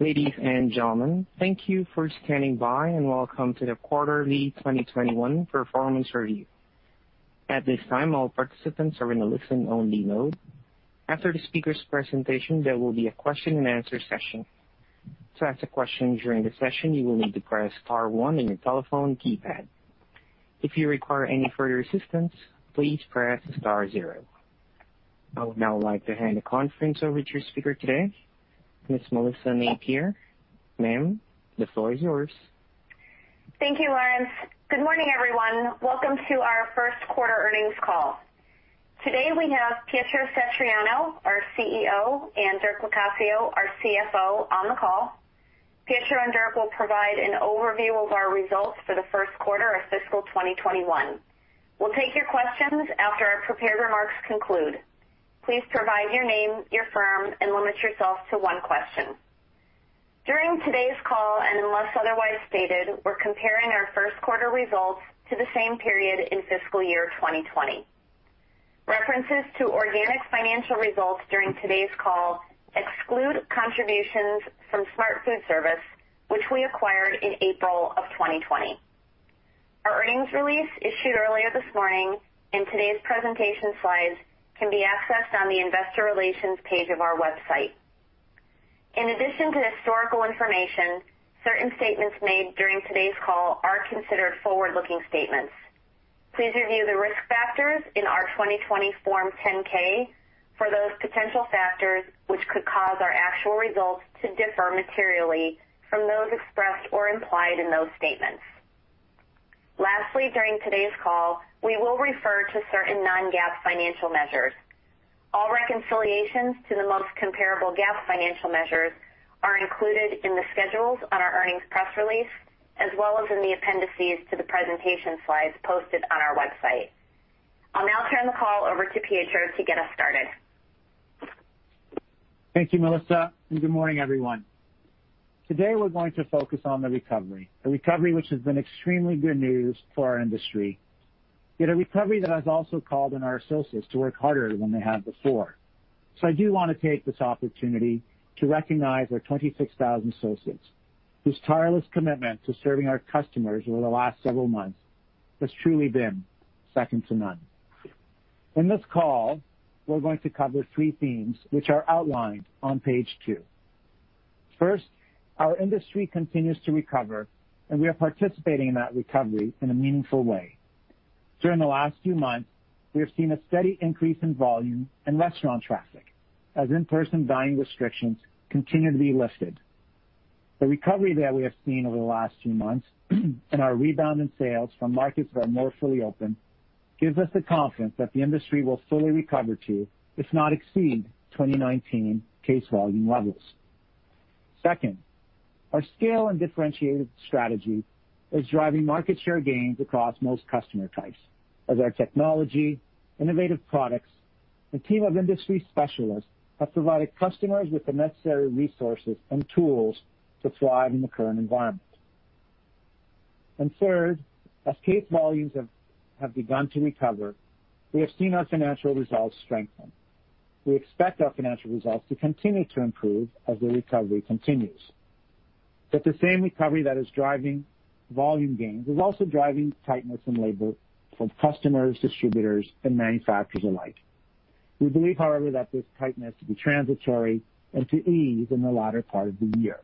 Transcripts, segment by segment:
Ladies and gentlemen, thank you for standing by, welcome to the quarterly 2021 performance review. At this time, all participants are in a listen-only mode. After the speaker's presentation, there will be a question-and-answer session. To ask a question during the session, you will need to press star one on your telephone keypad. If you require any further assistance, please press star zero. I would now like to hand the conference over to your speaker today, Ms. Melissa Napier. Ma'am, the floor is yours. Thank you, Lawrence. Good morning, everyone. Welcome to our first quarter earnings call. Today we have Pietro Satriano, our CEO, and Dirk Locascio, our CFO, on the call. Pietro and Dirk will provide an overview of our results for the first quarter of fiscal 2021. We'll take your questions after our prepared remarks conclude. Please provide your name, your firm, and limit yourself to one question. During today's call, and unless otherwise stated, we're comparing our first quarter results to the same period in fiscal year 2020. References to organic financial results during today's call exclude contributions from Smart Foodservice, which we acquired in April of 2020. Our earnings release, issued earlier this morning, and today's presentation slides can be accessed on the investor relations page of our website. In addition to historical information, certain statements made during today's call are considered forward-looking statements. Please review the risk factors in our 2020 Form 10-K for those potential factors which could cause our actual results to differ materially from those expressed or implied in those statements. Lastly, during today's call, we will refer to certain non-GAAP financial measures. All reconciliations to the most comparable GAAP financial measures are included in the schedules on our earnings press release, as well as in the appendices to the presentation slides posted on our website. I'll now turn the call over to Pietro to get us started. Thank you, Melissa. Good morning, everyone. Today, we're going to focus on the recovery, a recovery which has been extremely good news for our industry. A recovery that has also called on our associates to work harder than they have before. I do want to take this opportunity to recognize our 26,000 associates, whose tireless commitment to serving our customers over the last several months has truly been second to none. In this call, we're going to cover three themes, which are outlined on page two. First, our industry continues to recover, and we are participating in that recovery in a meaningful way. During the last few months, we have seen a steady increase in volume and restaurant traffic as in-person dining restrictions continue to be lifted. The recovery that we have seen over the last few months and our rebound in sales from markets that are more fully open gives us the confidence that the industry will fully recover to, if not exceed, 2019 case volume levels. Second, our scale and differentiated strategy is driving market share gains across most customer types as our technology, innovative products, and team of industry specialists have provided customers with the necessary resources and tools to thrive in the current environment. Third, as case volumes have begun to recover, we have seen our financial results strengthen. We expect our financial results to continue to improve as the recovery continues. The same recovery that is driving volume gains is also driving tightness in labor from customers, distributors, and manufacturers alike. We believe, however, that this tightness to be transitory and to ease in the latter part of the year.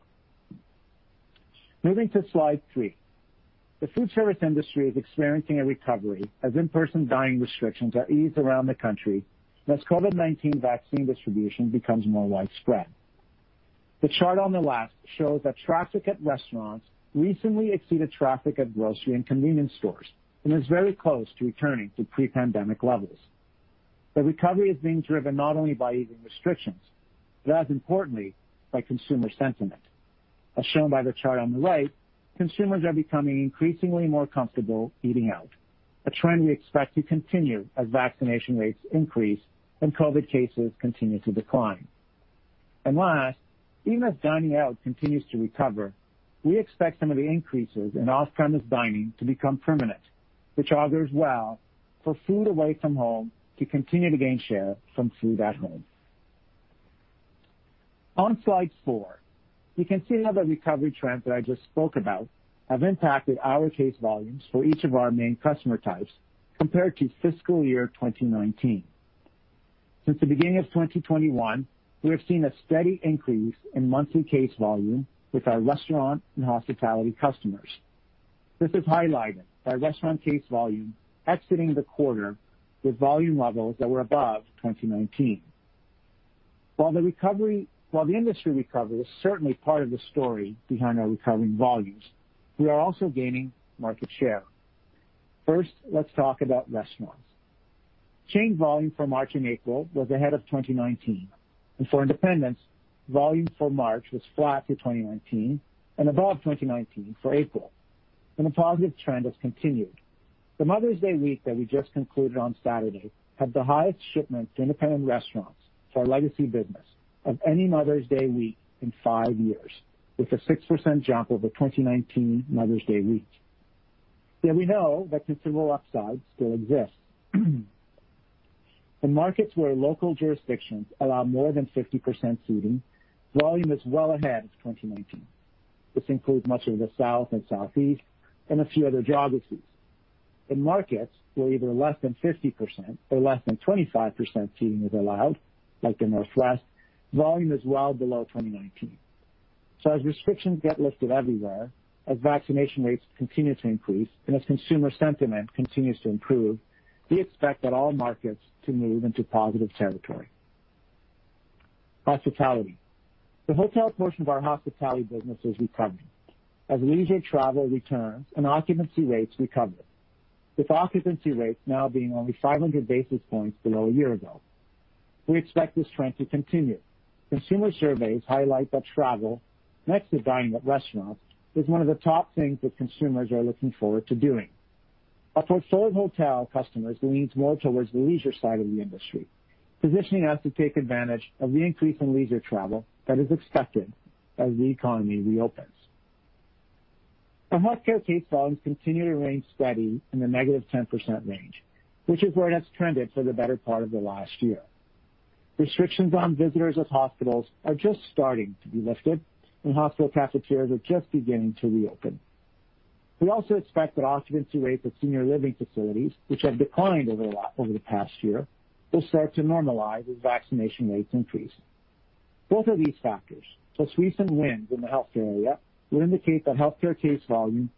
Moving to slide three. The food service industry is experiencing a recovery as in-person dining restrictions are eased around the country, as COVID-19 vaccine distribution becomes more widespread. The chart on the left shows that traffic at restaurants recently exceeded traffic at grocery and convenience stores and is very close to returning to pre-pandemic levels. The recovery is being driven not only by easing restrictions but as importantly, by consumer sentiment. As shown by the chart on the right, consumers are becoming increasingly more comfortable eating out, a trend we expect to continue as vaccination rates increase and COVID cases continue to decline. Last, even as dining out continues to recover, we expect some of the increases in off-premise dining to become permanent, which augurs well for food away from home to continue to gain share from food at home. On slide four, you can see how the recovery trends that I just spoke about have impacted our case volumes for each of our main customer types compared to fiscal year 2019. Since the beginning of 2021, we have seen a steady increase in monthly case volume with our restaurant and hospitality customers. This is highlighted by restaurant case volume exiting the quarter with volume levels that were above 2019. While the industry recovery is certainly part of the story behind our recovering volumes, we are also gaining market share. First, let's talk about restaurants. Chain volume for March and April was ahead of 2019. For independents, volume for March was flat to 2019 and above 2019 for April. The positive trend has continued. The Mother's Day week that we just concluded on Saturday had the highest shipments to independent restaurants for our legacy business of any Mother's Day week in five years, with a 6% jump over 2019 Mother's Day week. Yet we know that consumer upside still exists. The markets where local jurisdictions allow more than 50% seating, volume is well ahead of 2019. This includes much of the South and Southeast and a few other geographies. In markets where either less than 50% or less than 25% seating is allowed, like the Northwest, volume is well below 2019. As restrictions get lifted everywhere, as vaccination rates continue to increase, and as consumer sentiment continues to improve, we expect that all markets to move into positive territory. Hospitality. The hotel portion of our hospitality business is recovering as leisure travel returns and occupancy rates recover, with occupancy rates now being only 500 basis points below a year ago. We expect this trend to continue. Consumer surveys highlight that travel, next to dining at restaurants, is one of the top things that consumers are looking forward to doing. Our portfolio of hotel customers leans more towards the leisure side of the industry, positioning us to take advantage of the increase in leisure travel that is expected as the economy reopens. Our healthcare case volumes continue to remain steady in the -10% range, which is where it has trended for the better part of the last year. Restrictions on visitors at hospitals are just starting to be lifted, and hospital cafeterias are just beginning to reopen. We also expect that occupancy rates at senior living facilities, which have declined over the past year, will start to normalize as vaccination rates increase. Both of these factors, plus recent wins in the healthcare area, would indicate that healthcare case volume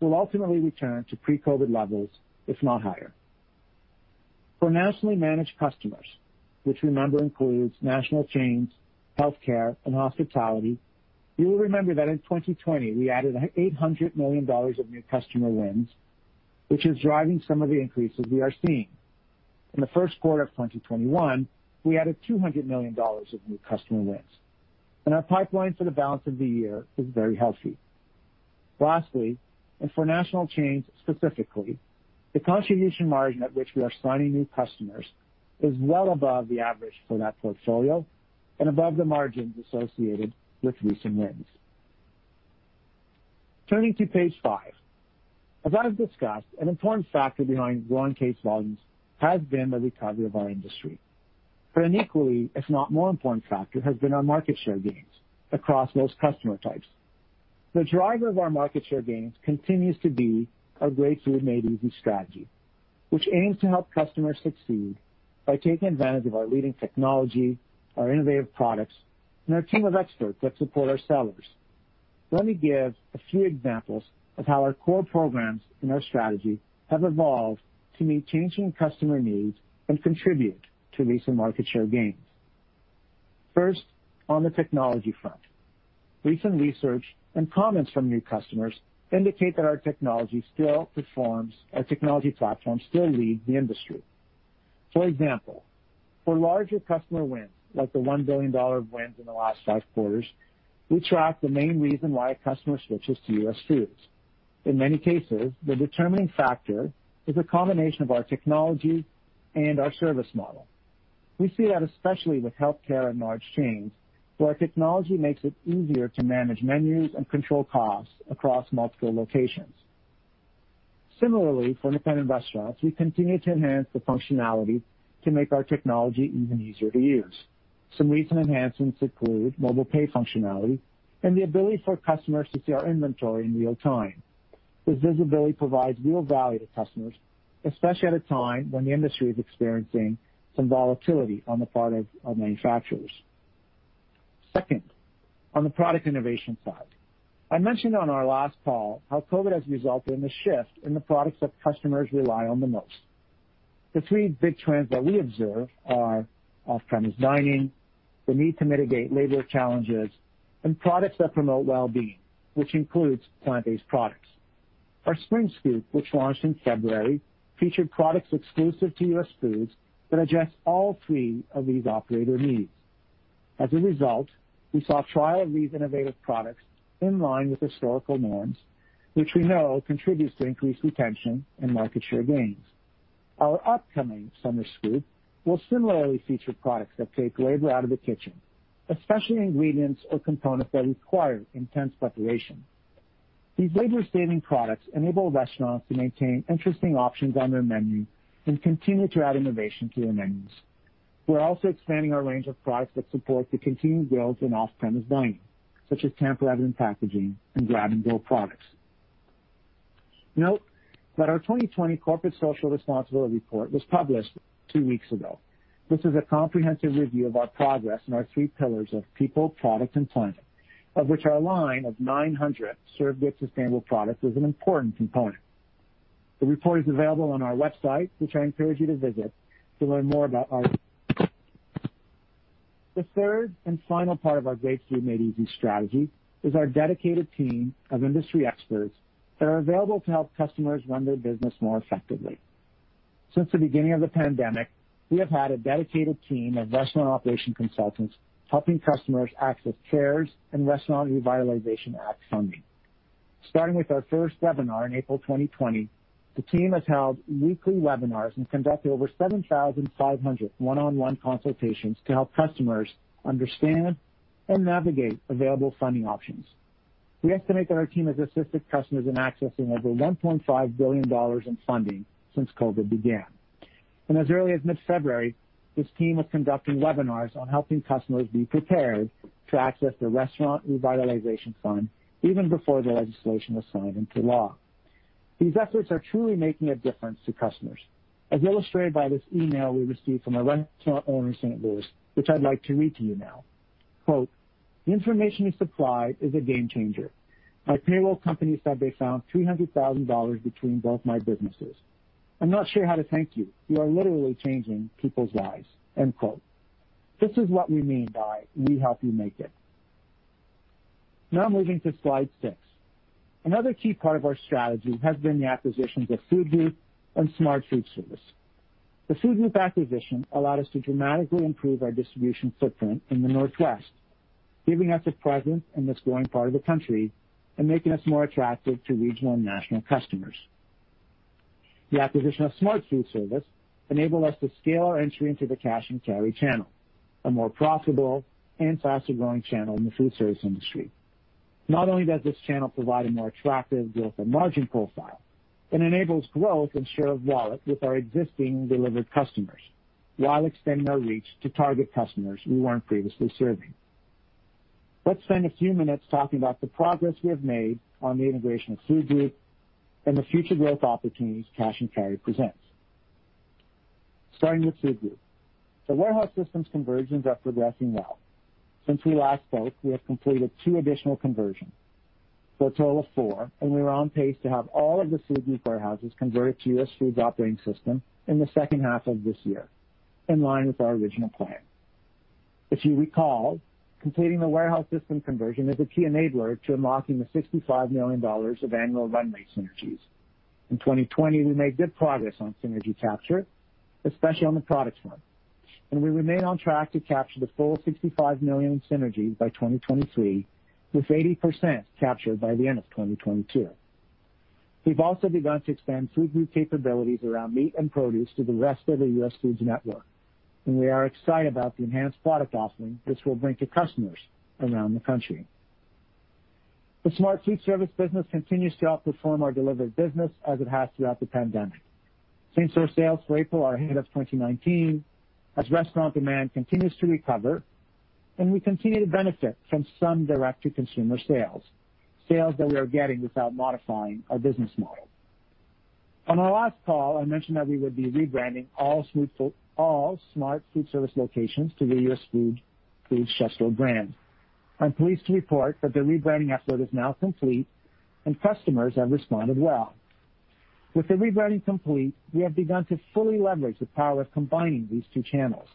will ultimately return to pre-COVID levels, if not higher. For nationally managed customers, which remember includes national chains, healthcare, and hospitality, you will remember that in 2020, we added $800 million of new customer wins, which is driving some of the increases we are seeing. In the first quarter of 2021, we added $200 million of new customer wins. Our pipeline for the balance of the year is very healthy. Lastly, and for national chains specifically, the contribution margin at which we are signing new customers is well above the average for that portfolio and above the margins associated with recent wins. Turning to page five. As I have discussed, an important factor behind growing case volumes has been the recovery of our industry. An equally, if not more important factor, has been our market share gains across most customer types. The driver of our market share gains continues to be our Great Food. Made Easy. strategy, which aims to help customers succeed by taking advantage of our leading technology, our innovative products, and our team of experts that support our sellers. Let me give a few examples of how our core programs and our strategy have evolved to meet changing customer needs and contribute to recent market share gains. First, on the technology front, recent research and comments from new customers indicate that our technology platform still leads the industry. For example, for larger customer wins, like the $1 billion of wins in the last five quarters, we track the main reason why a customer switches to US Foods. In many cases, the determining factor is a combination of our technology and our service model. We see that especially with healthcare and large chains, where our technology makes it easier to manage menus and control costs across multiple locations. Similarly, for independent restaurants, we continue to enhance the functionality to make our technology even easier to use. Some recent enhancements include mobile pay functionality and the ability for customers to see our inventory in real time. This visibility provides real value to customers, especially at a time when the industry is experiencing some volatility on the part of manufacturers. Second, on the product innovation side. I mentioned on our last call how COVID has resulted in a shift in the products that customers rely on the most. The three big trends that we observe are off-premise dining, the need to mitigate labor challenges, and products that promote well-being, which includes plant-based products. Our Spring Scoop, which launched in February, featured products exclusive to US Foods that address all three of these operator needs. As a result, we saw trial of these innovative products in line with historical norms, which we know contributes to increased retention and market share gains. Our upcoming Summer Scoop will similarly feature products that take labor out of the kitchen, especially ingredients or components that require intense preparation. These labor-saving products enable restaurants to maintain interesting options on their menu and continue to add innovation to their menus. We're also expanding our range of products that support the continued growth in off-premise dining, such as tamper-evident packaging and Grab-and-go products. Note that our 2020 corporate social responsibility report was published two weeks ago. This is a comprehensive review of our progress in our three pillars of people, product, and planet, of which our line of 900 Serve the Earth sustainable products is an important component. The report is available on our website, which I encourage you to visit to learn more. The third and final part of our Great Food. Made Easy. Strategy is our dedicated team of industry experts that are available to help customers run their business more effectively. Since the beginning of the pandemic, we have had a dedicated team of restaurant operation consultants helping customers access CARES and Restaurant Revitalization Act funding. Starting with our first webinar in April 2020, the team has held weekly webinars and conducted over 7,500 one-on-one consultations to help customers understand and navigate available funding options. We estimate that our team has assisted customers in accessing over $1.5 billion in funding since COVID began. As early as mid-February, this team was conducting webinars on helping customers be prepared to access the Restaurant Revitalization Fund even before the legislation was signed into law. These efforts are truly making a difference to customers, as illustrated by this email we received from a restaurant owner in St. Louis, which I'd like to read to you now. Quote, "The information you supplied is a game changer. My payroll company said they found $300,000 between both my businesses. I'm not sure how to thank you. You are literally changing people's lives." End quote. This is what we mean by we help you make it. Moving to slide six. Another key part of our strategy has been the acquisitions of Food Group and Smart Foodservice. The Food Group acquisition allowed us to dramatically improve our distribution footprint in the Northwest, giving us a presence in this growing part of the country and making us more attractive to regional and national customers. The acquisition of Smart Foodservice enabled us to scale our entry into the cash and carry channel, a more profitable and faster-growing channel in the foodservice industry. Not only does this channel provide a more attractive growth and margin profile, it enables growth and share of wallet with our existing delivered customers while extending our reach to target customers we weren't previously serving. Let's spend a few minutes talking about the progress we have made on the integration of Food Group and the future growth opportunities cash and carry presents. Starting with Food Group. The warehouse systems conversions are progressing well. Since we last spoke, we have completed two additional conversions for a total of four, and we are on pace to have all of the Food Group warehouses converted to US Foods operating system in the second half of this year, in line with our original plan. If you recall, completing the warehouse system conversion is a key enabler to unlocking the $65 million of annual run rate synergies. In 2020, we made good progress on synergy capture, especially on the product front. We remain on track to capture the full $65 million in synergies by 2023, with 80% captured by the end of 2022. We've also begun to expand Food Group capabilities around meat and produce to the rest of the US Foods network, and we are excited about the enhanced product offering this will bring to customers around the country. The Smart Foodservice business continues to outperform our delivered business as it has throughout the pandemic. Same-store sales for April are ahead of 2019 as restaurant demand continues to recover and we continue to benefit from some direct-to-consumer sales that we are getting without modifying our business model. On our last call, I mentioned that we would be rebranding all Smart Foodservice locations to the US Foods CHEF'STORE brand. I'm pleased to report that the rebranding effort is now complete and customers have responded well. With the rebranding complete, we have begun to fully leverage the power of combining these two channels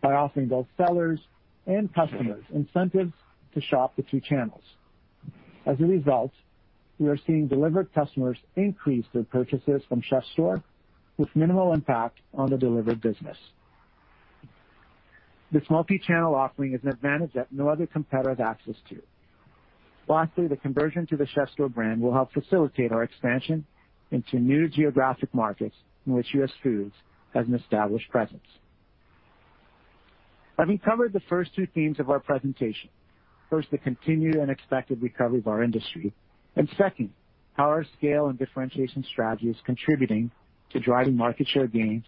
by offering both sellers and customers incentives to shop the two channels. As a result, we are seeing delivered customers increase their purchases from CHEF'STORE with minimal impact on the delivered business. This multi-channel offering is an advantage that no other competitor has access to. Lastly, the conversion to the CHEF'STORE brand will help facilitate our expansion into new geographic markets in which US Foods has an established presence. Having covered the first two themes of our presentation, first, the continued and expected recovery of our industry, and second, how our scale and differentiation strategy is contributing to driving market share gains.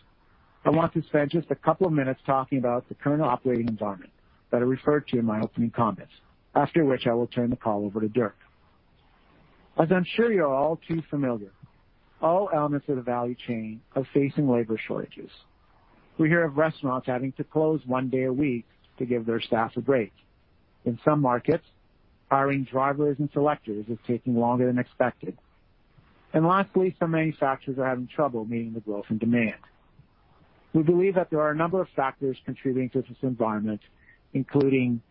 I want to spend just a couple of minutes talking about the current operating environment that I referred to in my opening comments, after which I will turn the call over to Dirk. As I'm sure you are all too familiar, all elements of the value chain are facing labor shortages. We hear of restaurants having to close one day a week to give their staff a break. In some markets, hiring drivers and selectors is taking longer than expected. Lastly, some manufacturers are having trouble meeting the growth in demand. We believe that there are a number of factors contributing to this environment, including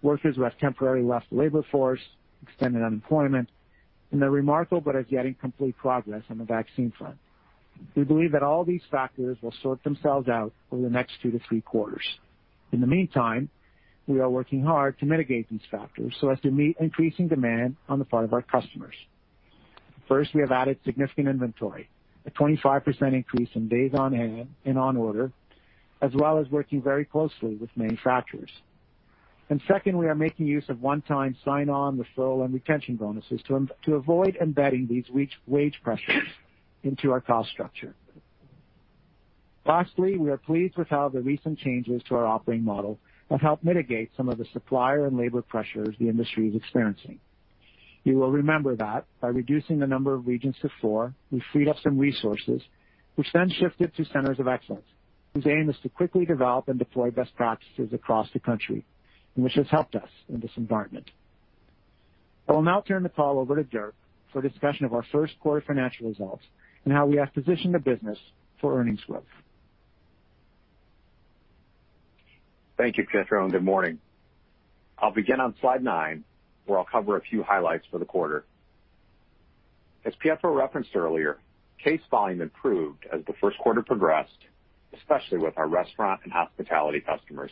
workers who have temporarily left the labor force, extended unemployment, and the remarkable but as yet incomplete progress on the vaccine front. We believe that all these factors will sort themselves out over the next two to three quarters. In the meantime, we are working hard to mitigate these factors so as to meet increasing demand on the part of our customers. First, we have added significant inventory, a 25% increase in days on hand and on order, as well as working very closely with manufacturers. Second, we are making use of one-time sign-on, referral, and retention bonuses to avoid embedding these wage pressures into our cost structure. Lastly, we are pleased with how the recent changes to our operating model have helped mitigate some of the supplier and labor pressures the industry is experiencing. You will remember that by reducing the number of regions to four, we freed up some resources, which then shifted to centers of excellence, whose aim is to quickly develop and deploy best practices across the country, and which has helped us in this environment. I will now turn the call over to Dirk for discussion of our first quarter financial results and how we have positioned the business for earnings growth. Thank you, Pietro, and good morning. I'll begin on slide nine, where I'll cover a few highlights for the quarter. As Pietro referenced earlier, case volume improved as the first quarter progressed, especially with our restaurant and hospitality customers.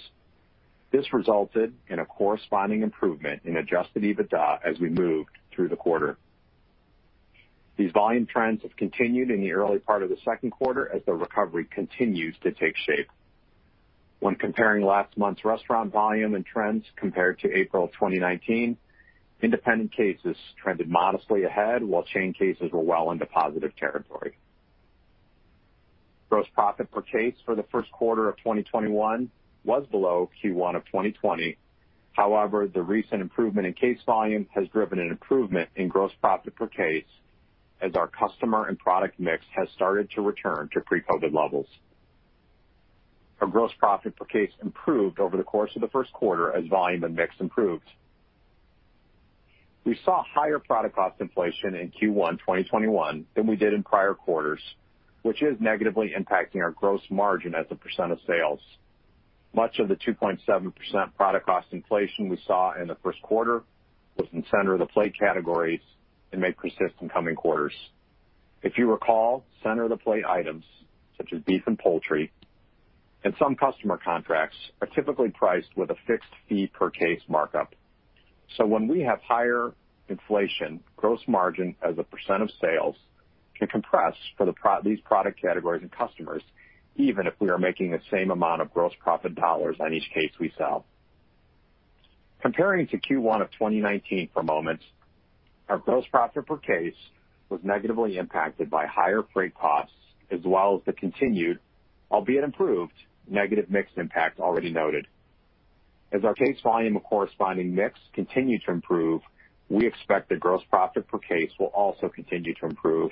This resulted in a corresponding improvement in adjusted EBITDA as we moved through the quarter. These volume trends have continued in the early part of the second quarter as the recovery continues to take shape. When comparing last month's restaurant volume and trends compared to April of 2019, independent cases trended modestly ahead while chain cases were well into positive territory. Gross profit per case for the first quarter of 2021 was below Q1 of 2020. However, the recent improvement in case volume has driven an improvement in gross profit per case as our customer and product mix has started to return to pre-COVID levels. Our gross profit per case improved over the course of the first quarter as volume and mix improved. We saw higher product cost inflation in Q1 2021 than we did in prior quarters, which is negatively impacting our gross margin as a percent of sales. Much of the 2.7% product cost inflation we saw in the first quarter was in center of the plate categories and may persist in coming quarters. If you recall, center of the plate items such as beef and poultry and some customer contracts are typically priced with a fixed fee per case markup. When we have higher inflation, gross margin as a percent of sales can compress for these product categories and customers, even if we are making the same amount of gross profit dollars on each case we sell. Comparing to Q1 of 2019 for a moment, our gross profit per case was negatively impacted by higher freight costs, as well as the continued, albeit improved, negative mix impact already noted. As our case volume and corresponding mix continue to improve, we expect that gross profit per case will also continue to improve.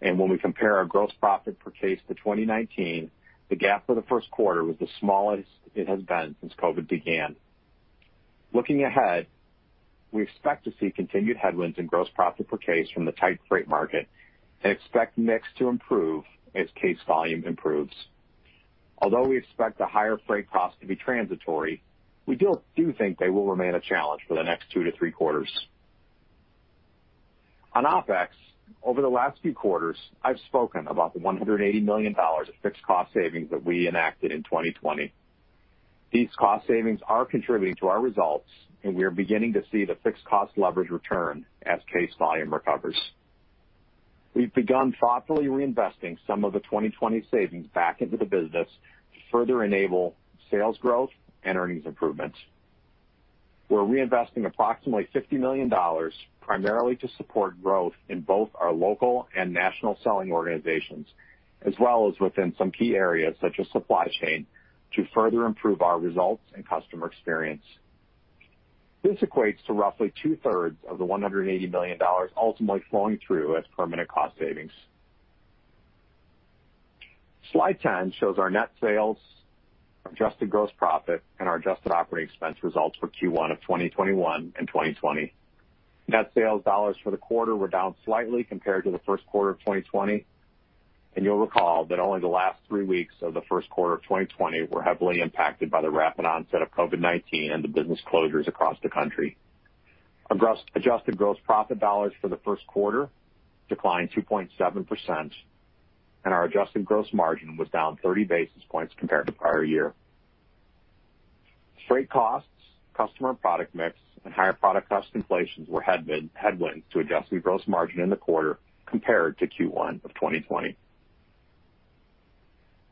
When we compare our gross profit per case to 2019, the gap for the first quarter was the smallest it has been since COVID began. Looking ahead, we expect to see continued headwinds in gross profit per case from the tight freight market and expect mix to improve as case volume improves. Although we expect the higher freight costs to be transitory, we do think they will remain a challenge for the next two to three quarters. On OpEx, over the last few quarters, I've spoken about the $180 million of fixed cost savings that we enacted in 2020. These cost savings are contributing to our results, and we are beginning to see the fixed cost leverage return as case volume recovers. We've begun thoughtfully reinvesting some of the 2020 savings back into the business to further enable sales growth and earnings improvements. We're reinvesting approximately $50 million primarily to support growth in both our local and national selling organizations, as well as within some key areas such as supply chain to further improve our results and customer experience. This equates to roughly 2/3 of the $180 million ultimately flowing through as permanent cost savings. Slide 10 shows our net sales, adjusted gross profit, and our adjusted operating expense results for Q1 of 2021 and 2020. Net sales dollars for the quarter were down slightly compared to the first quarter of 2020. You'll recall that only the last three weeks of the first quarter of 2020 were heavily impacted by the rapid onset of COVID-19 and the business closures across the country. Adjusted gross profit dollars for the first quarter declined 2.7%, and our adjusted gross margin was down 30 basis points compared to prior year. Freight costs, customer and product mix, and higher product cost inflation were headwinds to adjusted gross margin in the quarter compared to Q1 of 2020.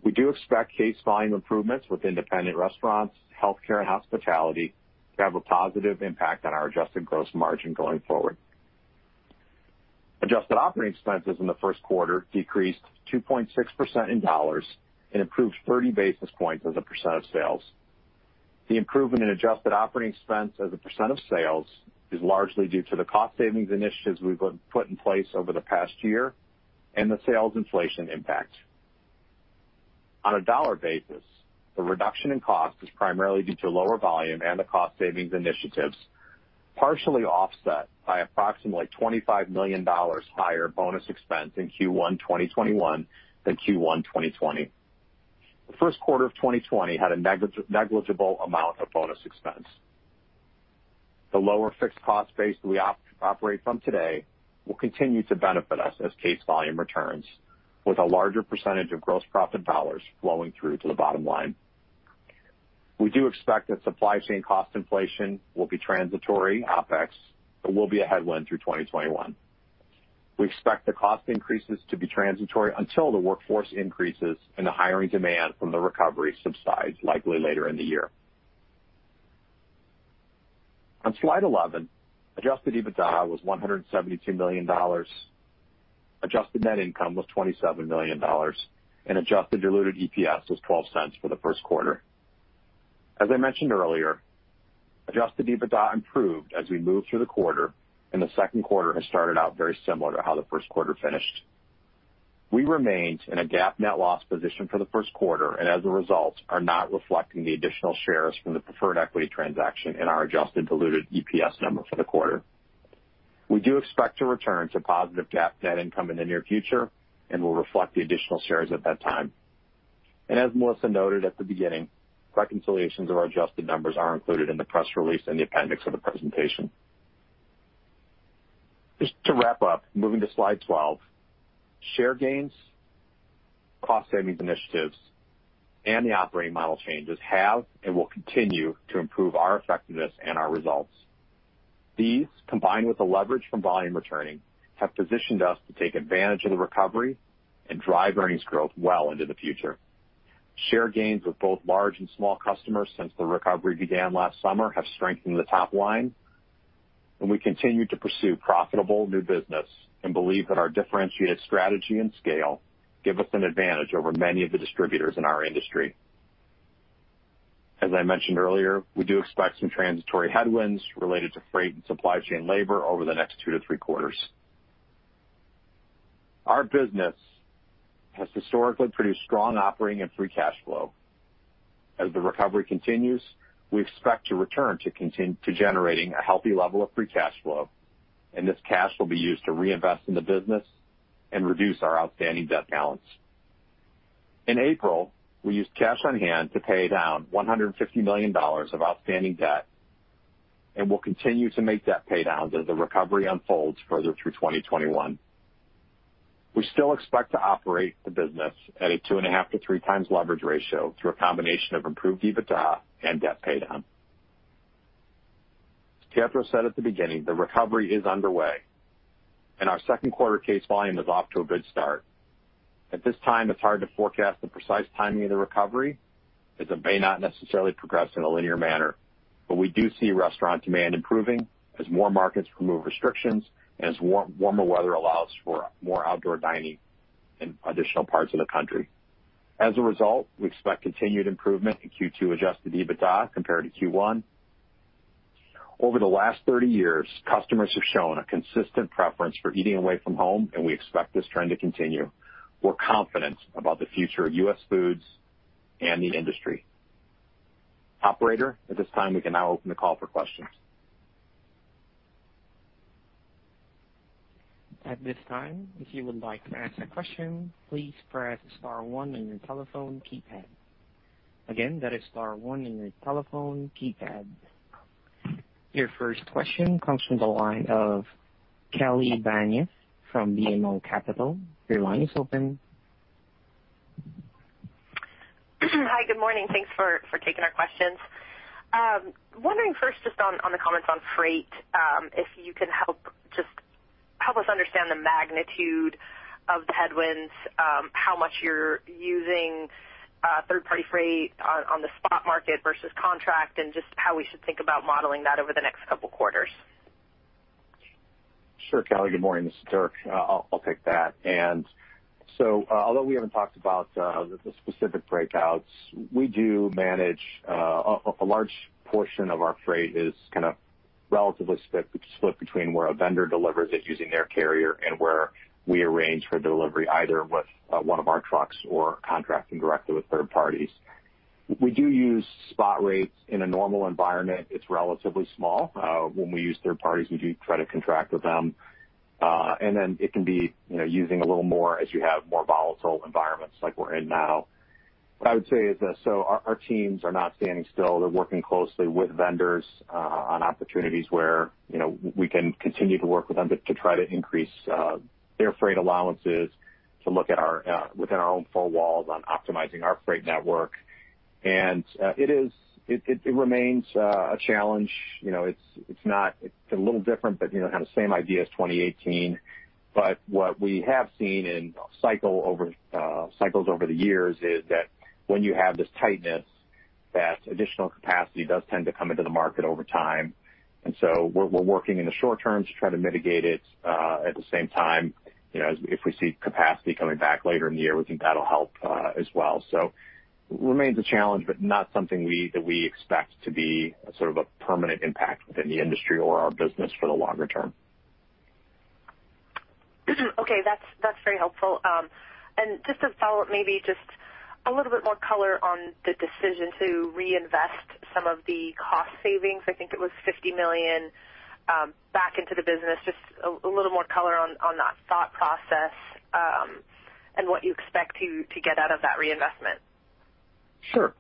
We do expect case volume improvements with independent restaurants, healthcare, and hospitality to have a positive impact on our adjusted gross margin going forward. Adjusted operating expenses in the first quarter decreased 2.6% in dollars and improved 30 basis points as a percent of sales. The improvement in adjusted operating expense as a percent of sales is largely due to the cost savings initiatives we've put in place over the past year and the sales inflation impact. On a dollar basis, the reduction in cost is primarily due to lower volume and the cost savings initiatives, partially offset by approximately $25 million higher bonus expense in Q1 2021 than Q1 2020. The first quarter of 2020 had a negligible amount of bonus expense. The lower fixed cost base that we operate from today will continue to benefit us as case volume returns with a larger percentage of gross profit dollars flowing through to the bottom line. We do expect that supply chain cost inflation will be transitory in OpEx but will be a headwind through 2021. We expect the cost increases to be transitory until the workforce increases and the hiring demand from the recovery subsides, likely later in the year. On slide 11, adjusted EBITDA was $172 million, adjusted net income was $27 million, and adjusted diluted EPS was $0.12 for the first quarter. As I mentioned earlier, adjusted EBITDA improved as we moved through the quarter, and the second quarter has started out very similar to how the first quarter finished. We remained in a GAAP net loss position for the first quarter, and as a result, are not reflecting the additional shares from the preferred equity transaction in our adjusted diluted EPS number for the quarter. We do expect to return to positive GAAP net income in the near future and will reflect the additional shares at that time. As Melissa noted at the beginning, reconciliations of our adjusted numbers are included in the press release in the appendix of the presentation. Just to wrap up, moving to slide 12, share gains, cost savings initiatives and the operating model changes have, and will continue, to improve our effectiveness and our results. These, combined with the leverage from volume returning, have positioned us to take advantage of the recovery and drive earnings growth well into the future. Share gains with both large and small customers since the recovery began last summer have strengthened the top line. We continue to pursue profitable new business and believe that our differentiated strategy and scale give us an advantage over many of the distributors in our industry. As I mentioned earlier, we do expect some transitory headwinds related to freight and supply chain labor over the next two to three quarters. Our business has historically produced strong operating and free cash flow. As the recovery continues, we expect to return to generating a healthy level of free cash flow, and this cash will be used to reinvest in the business and reduce our outstanding debt balance. In April, we used cash on hand to pay down $150 million of outstanding debt, and will continue to make debt pay downs as the recovery unfolds further through 2021. We still expect to operate the business at a 2.5 to 3× leverage ratio through a combination of improved EBITDA and debt pay down. Pietro said at the beginning, the recovery is underway, and our second quarter case volume is off to a good start. At this time, it's hard to forecast the precise timing of the recovery, as it may not necessarily progress in a linear manner. We do see restaurant demand improving as more markets remove restrictions and as warmer weather allows for more outdoor dining in additional parts of the country. As a result, we expect continued improvement in Q2 adjusted EBITDA compared to Q1. Over the last 30 years, customers have shown a consistent preference for eating away from home, and we expect this trend to continue. We're confident about the future of US Foods and the industry. Operator, at this time, we can now open the call for questions. At this time, if you would like to ask a question, please press star one on your telephone keypad. Again, that is star one on your telephone keypad. Your first question comes from the line of Kelly Bania from BMO Capital. Your line is open. Hi, good morning. Thanks for taking our questions. Wondering first, just on the comments on freight, if you could help us understand the magnitude of the headwinds, how much you're using third-party freight on the spot market versus contract, and just how we should think about modeling that over the next couple quarters? Sure, Kelly. Good morning. This is Dirk. I'll take that. Although we haven't talked about the specific breakouts, we do manage a large portion of our freight is kind of relatively split between where a vendor delivers it using their carrier and where we arrange for delivery either with one of our trucks or contracting directly with third parties. We do use spot rates. In a normal environment, it's relatively small. When we use third parties, we do try to contract with them. Then it can be using a little more as you have more volatile environments like we're in now. What I would say is our teams are not standing still. They're working closely with vendors on opportunities where we can continue to work with them to try to increase their freight allowances to look within our own four walls on optimizing our freight network. It remains a challenge. It's a little different, but kind of same idea as 2018. What we have seen in cycles over the years is that when you have this tightness, that additional capacity does tend to come into the market over time. We're working in the short term to try to mitigate it. At the same time, if we see capacity coming back later in the year, we think that'll help as well. It remains a challenge, but not something that we expect to be a permanent impact within the industry or our business for the longer term. Okay. That's very helpful. Just to follow up, maybe just a little bit more color on the decision to reinvest some of the cost savings, I think it was $50 million, back into the business. Just a little more color on that thought process, and what you expect to get out of that reinvestment. Sure.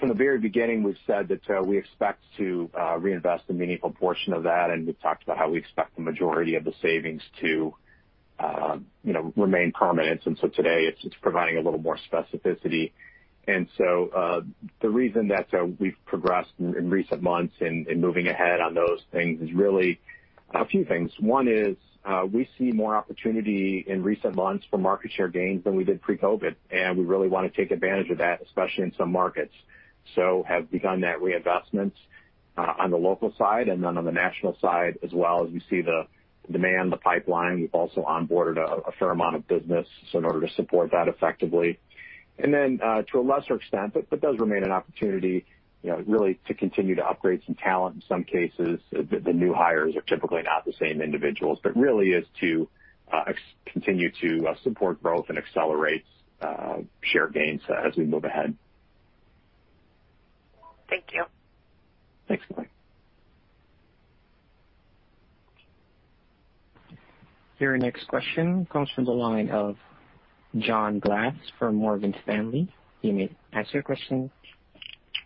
From the very beginning, we've said that we expect to reinvest a meaningful portion of that, and we've talked about how we expect the majority of the savings to remain permanent. Today it's providing a little more specificity. The reason that we've progressed in recent months in moving ahead on those things is really a few things. One is, we see more opportunity in recent months for market share gains than we did pre-COVID, and we really want to take advantage of that, especially in some markets. We have begun that reinvestment on the local side, and on the national side as well, as we see the demand, the pipeline. We've also onboarded a fair amount of business so in order to support that effectively. To a lesser extent, but does remain an opportunity really to continue to upgrade some talent in some cases. The new hires are typically not the same individuals. Really is to continue to support growth and accelerate share gains as we move ahead. Thank you. Thanks, Kelly. Your next question comes from the line of John Glass from Morgan Stanley. You may ask your question.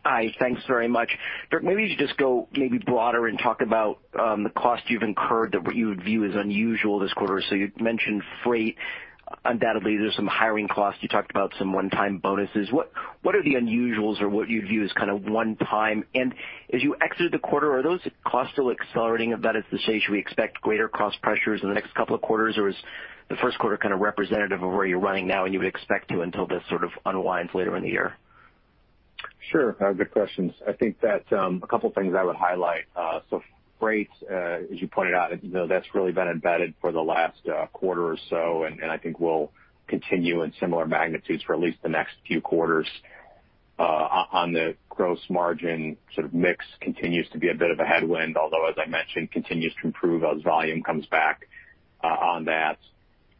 Hi, thanks very much. Dirk, maybe you should just go broader and talk about the cost you've incurred that what you would view as unusual this quarter. You mentioned freight. Undoubtedly, there's some hiring costs. You talked about some one-time bonuses. What are the unusuals or what you'd view as kind of one-time? As you exited the quarter, are those costs still accelerating? Should we expect greater cost pressures in the next couple of quarters? Or is the first quarter kind of representative of where you're running now and you would expect to until this sort of unwinds later in the year? Sure. Good questions. I think that a couple of things I would highlight. Freight, as you pointed out, that's really been embedded for the last quarter or so and I think will continue in similar magnitudes for at least the next few quarters. On the gross margin sort of mix continues to be a bit of a headwind, although, as I mentioned, continues to improve as volume comes back on that.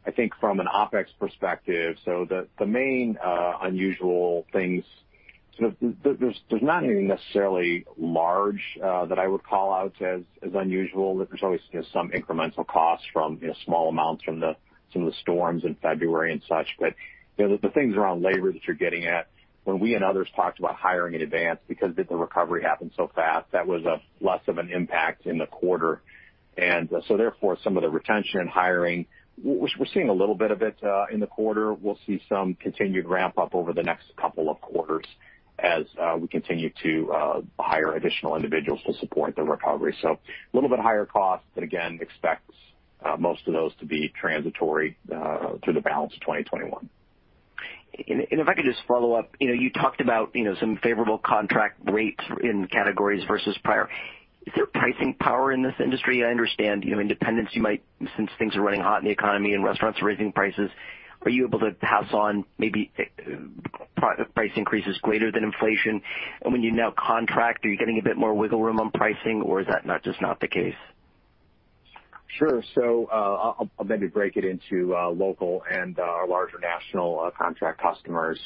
I think from an OpEx perspective, the main unusual things, there's not anything necessarily large that I would call out as unusual. There's always some incremental costs from small amounts from some of the storms in February and such. The things around labor that you're getting at, when we and others talked about hiring in advance because the recovery happened so fast, that was less of an impact in the quarter. Therefore, some of the retention and hiring, we're seeing a little bit of it in the quarter. We'll see some continued ramp up over the next couple of quarters as we continue to hire additional individuals to support the recovery. A little bit higher cost, again, expect most of those to be transitory through the balance of 2021. If I could just follow up. You talked about some favorable contract rates in categories versus prior. Is there pricing power in this industry? I understand, independents, you might, since things are running hot in the economy and restaurants are raising prices, are you able to pass on maybe price increases greater than inflation? When you now contract, are you getting a bit more wiggle room on pricing, or is that just not the case? Sure. I'll maybe break it into local and our larger national contract customers.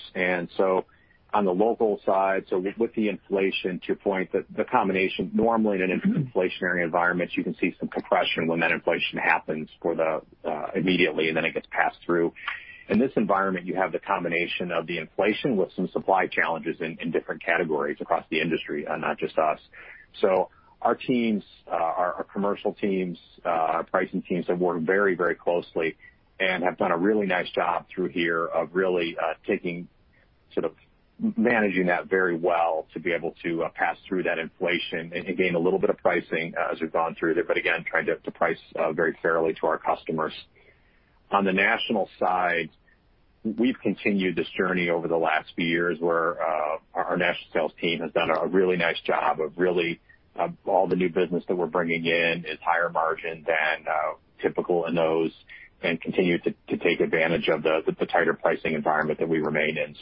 On the local side, with the inflation, to your point, the combination, normally in an inflationary environment, you can see some compression when that inflation happens immediately, and then it gets passed through. In this environment, you have the combination of the inflation with some supply challenges in different categories across the industry, not just us. Our teams, our commercial teams, our pricing teams have worked very closely and have done a really nice job through here of really taking sort of managing that very well to be able to pass through that inflation and gain a little bit of pricing as we've gone through there. Again, trying to price very fairly to our customers. On the national side, we've continued this journey over the last few years where our national sales team has done a really nice job of really all the new business that we're bringing in is higher margin than typical in those and continue to take advantage of the tighter pricing environment that we remain in.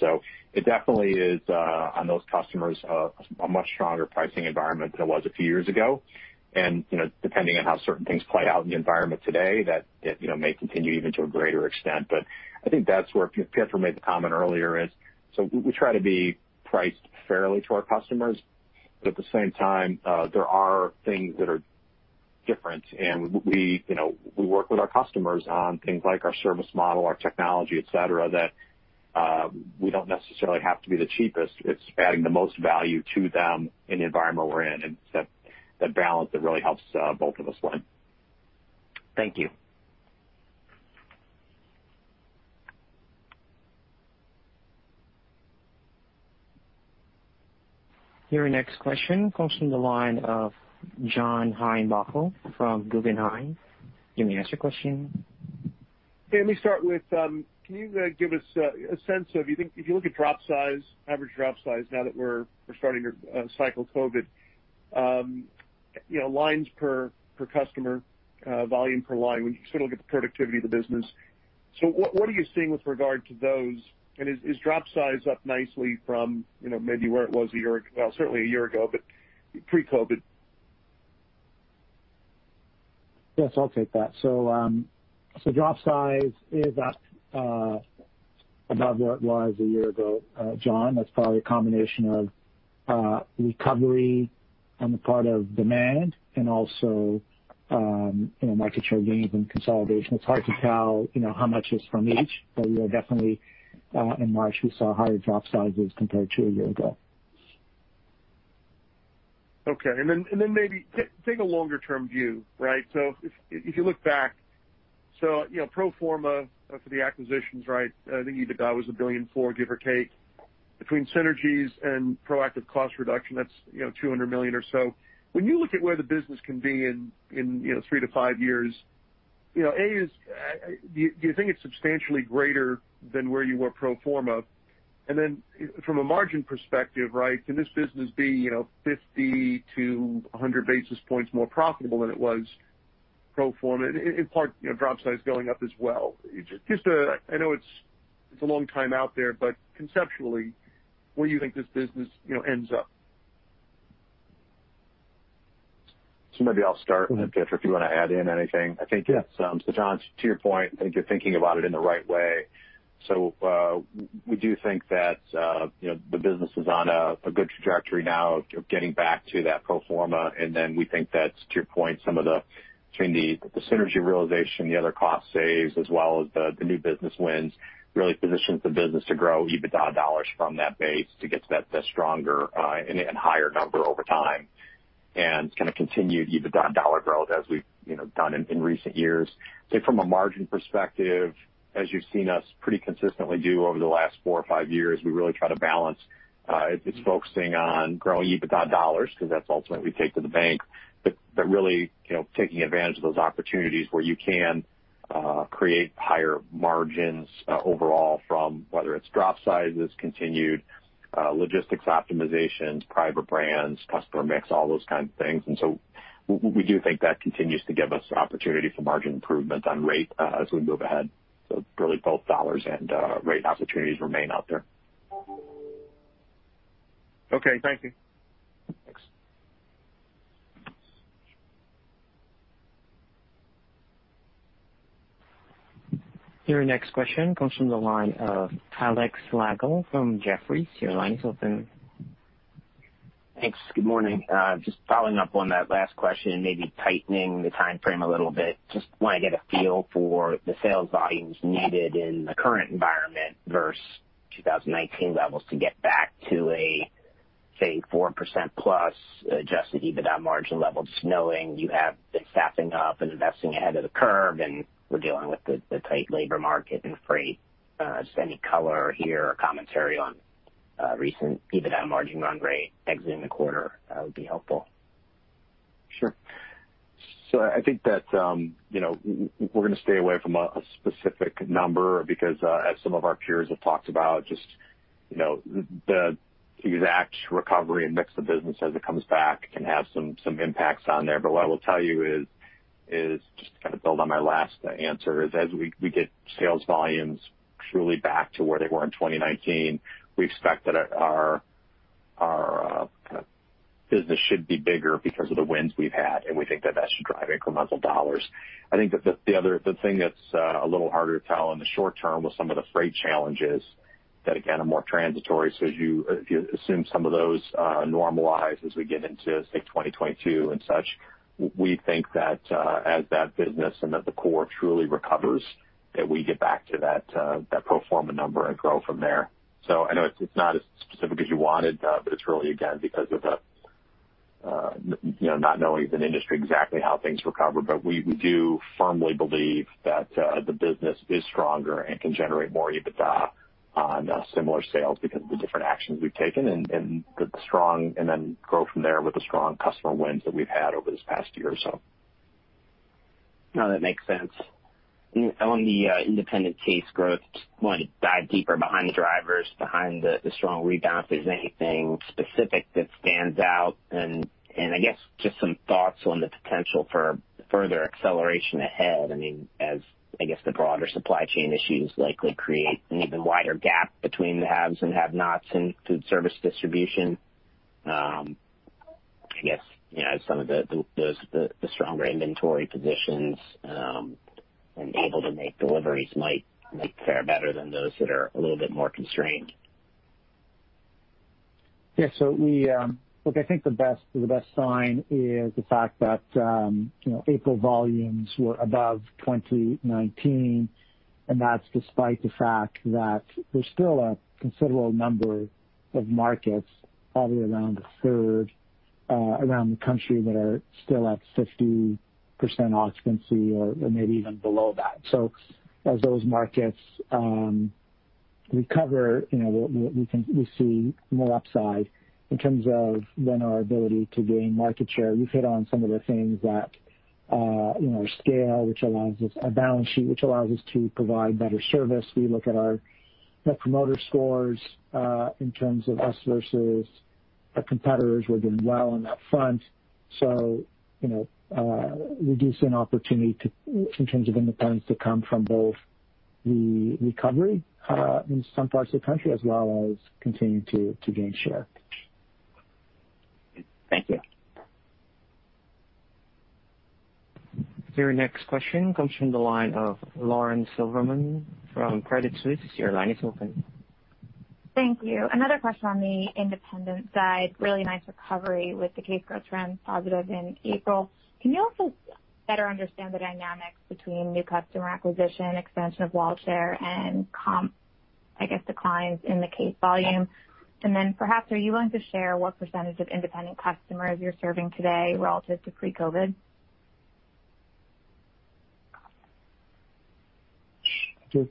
It definitely is, on those customers, a much stronger pricing environment than it was a few years ago. Depending on how certain things play out in the environment today, that may continue even to a greater extent. I think that's where Pietro made the comment earlier is, so we try to be priced fairly to our customers, but at the same time, there are things that are different, and we work with our customers on things like our service model, our technology, et cetera, that we don't necessarily have to be the cheapest. It's adding the most value to them in the environment we're in. It's that balance that really helps both of us win. Thank you. Your next question comes from the line of John Heinbockel from Guggenheim. You may ask your question. Let me start with, can you give us a sense of, if you look at drop size, average drop size, now that we're starting to cycle COVID, lines per customer, volume per line, when you sort of look at the productivity of the business. What are you seeing with regard to those? Is drop size up nicely from maybe where it was certainly a year ago, but pre-COVID? Yes, I'll take that. Drop size is up above where it was a year ago, John. That's probably a combination of recovery on the part of demand and also market share gains and consolidation. It's hard to tell how much is from each. We are definitely, in March, we saw higher drop sizes compared to a year ago. Okay. Maybe take a longer-term view, right? If you look back, so pro forma for the acquisitions, right? I think EBITDA was $1.4 billion, give or take. Between synergies and proactive cost reduction, that's $200 million or so. When you look at where the business can be in three to five years, A, do you think it's substantially greater than where you were pro forma? From a margin perspective, right, can this business be 50-100 basis points more profitable than it was pro forma? In part, drop size going up as well. I know it's a long time out there, but conceptually, where do you think this business ends up? Maybe I'll start, and Pietro, if you want to add in anything. John, to your point, I think you're thinking about it in the right way. We do think that the business is on a good trajectory now of getting back to that pro forma. We think that, to your point, some of the synergy realization, the other cost saves, as well as the new business wins really positions the business to grow EBITDA dollars from that base to get to that stronger and higher number over time. Continue the EBITDA dollar growth as we've done in recent years. From a margin perspective, as you've seen us pretty consistently do over the last four or five years, we really try to balance. It's focusing on growing EBITDA dollars, because that's ultimately what we take to the bank. Really taking advantage of those opportunities where you can create higher margins overall from whether it's drop sizes continued, logistics optimizations, private brands, customer mix, all those kinds of things. We do think that continues to give us opportunity for margin improvement on rate as we move ahead. Really both dollars and rate opportunities remain out there. Okay. Thank you. Your next question comes from the line of Alex Slagle from Jefferies. Your line is open. Thanks. Good morning. Just following up on that last question, maybe tightening the timeframe a little bit. Just want to get a feel for the sales volumes needed in the current environment versus 2019 levels to get back to a, say, 4%+ adjusted EBITDA margin levels, knowing you have been staffing up and investing ahead of the curve, and we're dealing with the tight labor market and freight. Just any color here or commentary on recent EBITDA margin run rate exiting the quarter would be helpful. Sure. I think that we're going to stay away from a specific number because, as some of our peers have talked about, just the exact recovery and mix of business as it comes back can have some impacts on there. What I will tell you is, just to kind of build on my last answer, is as we get sales volumes truly back to where they were in 2019, we expect that our business should be bigger because of the wins we've had, and we think that that should drive incremental dollars. I think that the thing that's a little harder to tell in the short term with some of the freight challenges that again, are more transitory. As you assume some of those normalize as we get into, say, 2022 and such, we think that as that business and that the core truly recovers, that we get back to that pro forma number and grow from there. I know it's not as specific as you wanted. It's really, again, because of not knowing as an industry exactly how things recover. We do firmly believe that the business is stronger and can generate more EBITDA on similar sales because of the different actions we've taken, and then grow from there with the strong customer wins that we've had over this past year or so. No, that makes sense. On the independent case growth, just wanted to dive deeper behind the drivers, behind the strong rebound. If there's anything specific that stands out and I guess just some thoughts on the potential for further acceleration ahead. As the broader supply chain issues likely create an even wider gap between the haves and have-nots in food service distribution. I guess, as some of the stronger inventory positions and able to make deliveries might fare better than those that are a little bit more constrained. Yeah. Look, I think the best sign is the fact that April volumes were above 2019. That's despite the fact that there's still a considerable number of markets, probably around a third around the country, that are still at 50% occupancy or maybe even below that. As those markets recover, we see more upside in terms of then our ability to gain market share. You've hit on some of the things that, scale, a balance sheet, which allows us to provide better service. We look at our Net Promoter Score. In terms of us versus our competitors, we're doing well on that front. We do see an opportunity in terms of independents to come from both the recovery in some parts of the country as well as continuing to gain share. Thank you. Your next question comes from the line of Lauren Silberman from Credit Suisse. Your line is open. Thank you. Another question on the independent side. Really nice recovery with the case growth trend positive in April. Can you also better understand the dynamics between new customer acquisition, expansion of wallet share, and comp declines in the case volume? Perhaps, are you willing to share what percentage of independent customers you're serving today relative to pre-COVID?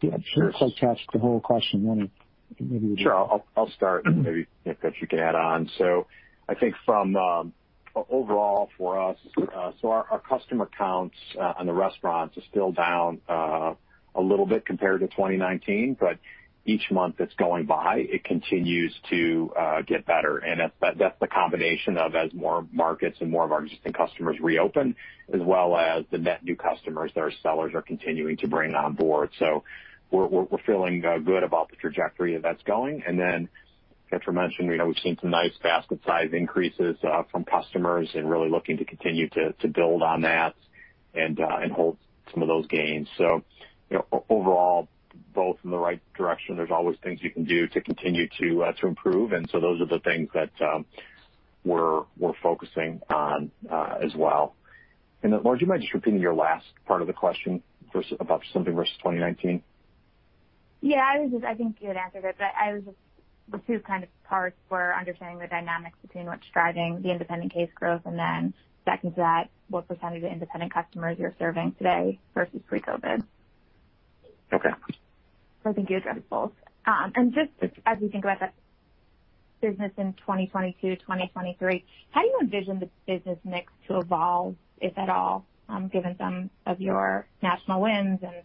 Start the whole question. And maybe... Sure. I'll start maybe, Pietro, if you can add on. I think from overall for us, our customer counts on the restaurants are still down a little bit compared to 2019. Each month that's going by, it continues to get better, and that's the combination of as more markets and more of our existing customers reopen, as well as the net new customers that our sellers are continuing to bring on board. So we're feeling good about the trajectory that's going. Pietro Satriano mentioned we've seen some nice basket size increases from customers and really looking to continue to build on that and hold some of those gains. Overall, both in the right direction. There's always things you can do to continue to improve, those are the things that we're focusing on as well. Lauren, do you mind just repeating your last part of the question about something versus 2019? Yeah, I think you had answered it, but the two parts were understanding the dynamics between what's driving the independent case growth and then second to that, what percentage of independent customers you're serving today versus pre-COVID. I think you addressed both. Just as you think about that business in 2022, 2023, how do you envision the business mix to evolve, if at all, given some of your national wins and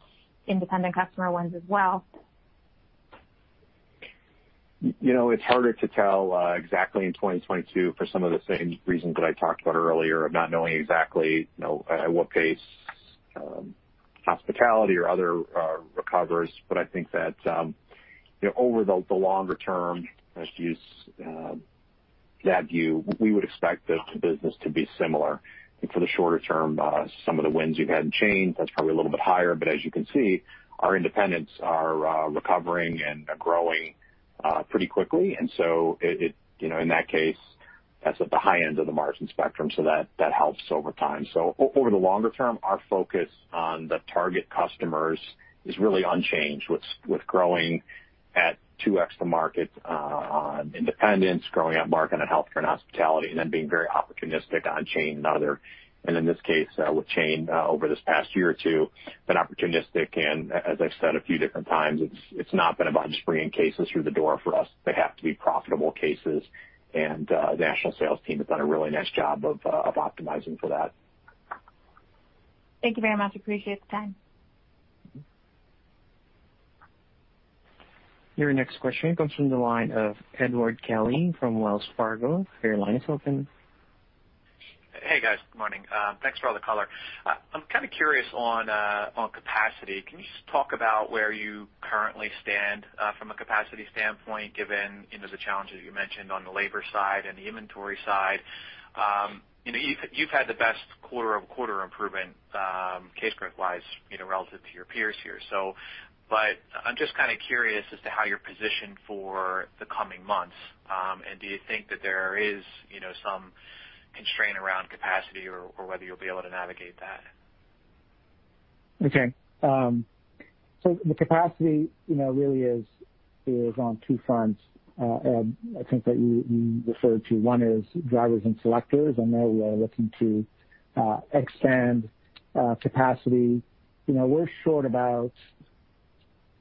independent customer wins as well? It's harder to tell exactly in 2022 for some of the same reasons that I talked about earlier of not knowing exactly at what pace hospitality or other recovers. I think that over the longer term, as you use that view, we would expect the business to be similar. For the shorter term, some of the wins you've had in chain, that's probably a little bit higher. As you can see, our independents are recovering and are growing pretty quickly. In that case, that's at the high end of the margin spectrum. That helps over time. Over the longer term, our focus on the target customers is really unchanged with growing at 2x the market on independents, growing at market on healthcare and hospitality, and then being very opportunistic on chain and other. In this case, with chain over this past year or two, been opportunistic. As I've said a few different times, it's not been about just bringing cases through the door for us. They have to be profitable cases. The national sales team has done a really nice job of optimizing for that. Thank you very much. Appreciate the time. Your next question comes from the line of Edward Kelly from Wells Fargo. Your line is open. Hey, guys. Good morning. Thanks for all the color. I'm kind of curious on capacity. Can you just talk about where you currently stand from a capacity standpoint, given the challenges you mentioned on the labor side and the inventory side? You've had the best quarter-over-quarter improvement, case growth-wise, relative to your peers here. I'm just kind of curious as to how you're positioned for the coming months. Do you think that there is some constraint around capacity or whether you'll be able to navigate that? Okay. The capacity really is on two fronts. I think that you referred to one is drivers and selectors. There we are looking to expand capacity. We're short about,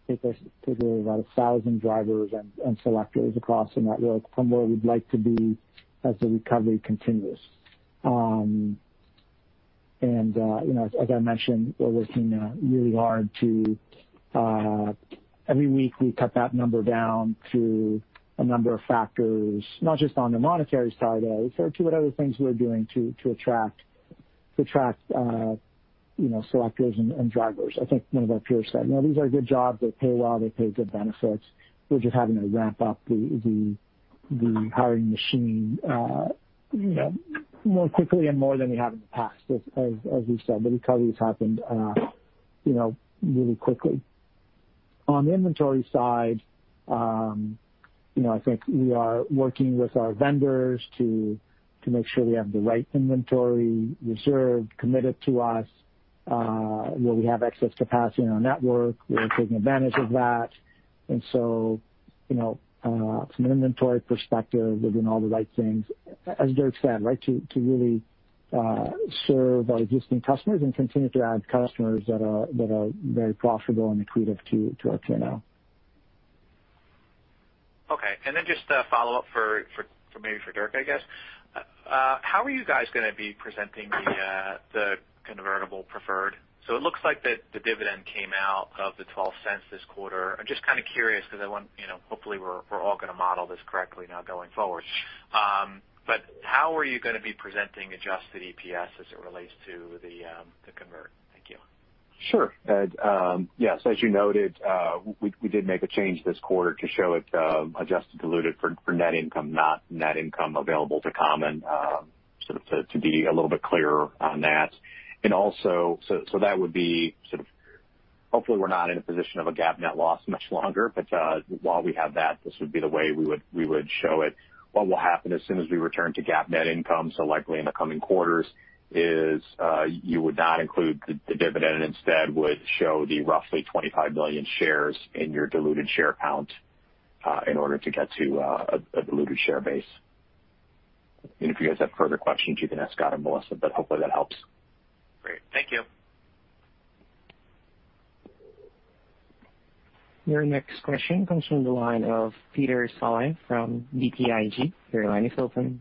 I think there's probably about 1,000 drivers and selectors across the network from where we'd like to be as the recovery continues. As I mentioned, we're working really hard. Every week we cut that number down through a number of factors, not just on the monetary side, but also to what other things we're doing to attract selectors and drivers. I think one of our peers said these are good jobs. They pay well. They pay good benefits. We're just having to ramp up the hiring machine more quickly and more than we have in the past. As we've said, the recovery has happened really quickly. On the inventory side, I think we are working with our vendors to make sure we have the right inventory reserved, committed to us. Where we have excess capacity in our network, we are taking advantage of that. From an inventory perspective, we're doing all the right things, as Dirk said, right, to really serve our existing customers and continue to add customers that are very profitable and accretive to our P&L. Okay. Just a follow-up maybe for Dirk, I guess. How are you guys going to be presenting the convertible preferred? It looks like that the dividend came out of the $0.12 this quarter. I'm just kind of curious because I want hopefully we're all going to model this correctly now going forward. How are you going to be presenting adjusted EPS as it relates to the convert? Thank you. Sure. Ed, yes, as you noted, we did make a change this quarter to show it adjusted diluted for net income, not net income available to common, to be a little bit clearer on that. Also, that would be sort of, hopefully we're not in a position of a GAAP net loss much longer. While we have that, this would be the way we would show it. What will happen as soon as we return to GAAP net income, so likely in the coming quarters, is you would not include the dividend and instead would show the roughly 25 million shares in your diluted share count in order to get to a diluted share base. If you guys have further questions, you can ask Scott and Melissa, but hopefully that helps. Great. Thank you. Your next question comes from the line of Peter Saleh from BTIG. Your line is open.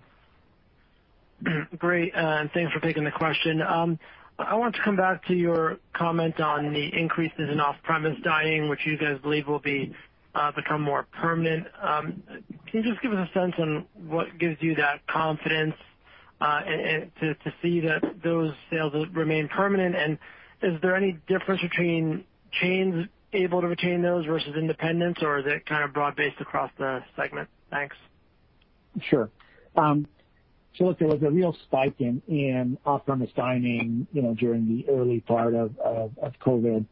Great, thanks for taking the question. I wanted to come back to your comment on the increases in off-premise dining, which you guys believe will become more permanent. Can you just give us a sense on what gives you that confidence to see that those sales will remain permanent? Is there any difference between chains able to retain those versus independents, or is it kind of broad-based across the segment? Thanks. Sure. Look, there was a real spike in off-premise dining during the early part of COVID.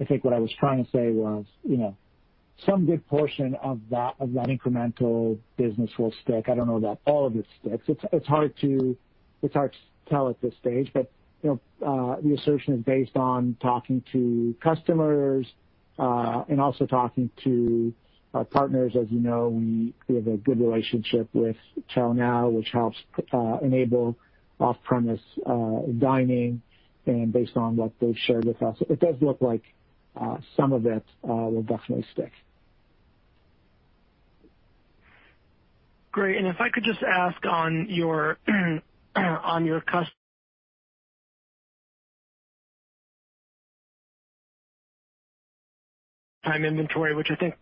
I think what I was trying to say was, some good portion of that incremental business will stick. I don't know that all of it sticks. It's hard to tell at this stage, but the assertion is based on talking to customers and also talking to our partners. As you know, we have a good relationship with ChowNow, which helps enable off-premise dining. Based on what they've shared with us, it does look like some of it will definitely stick. Great. If I could just ask on your customer inventory, which I think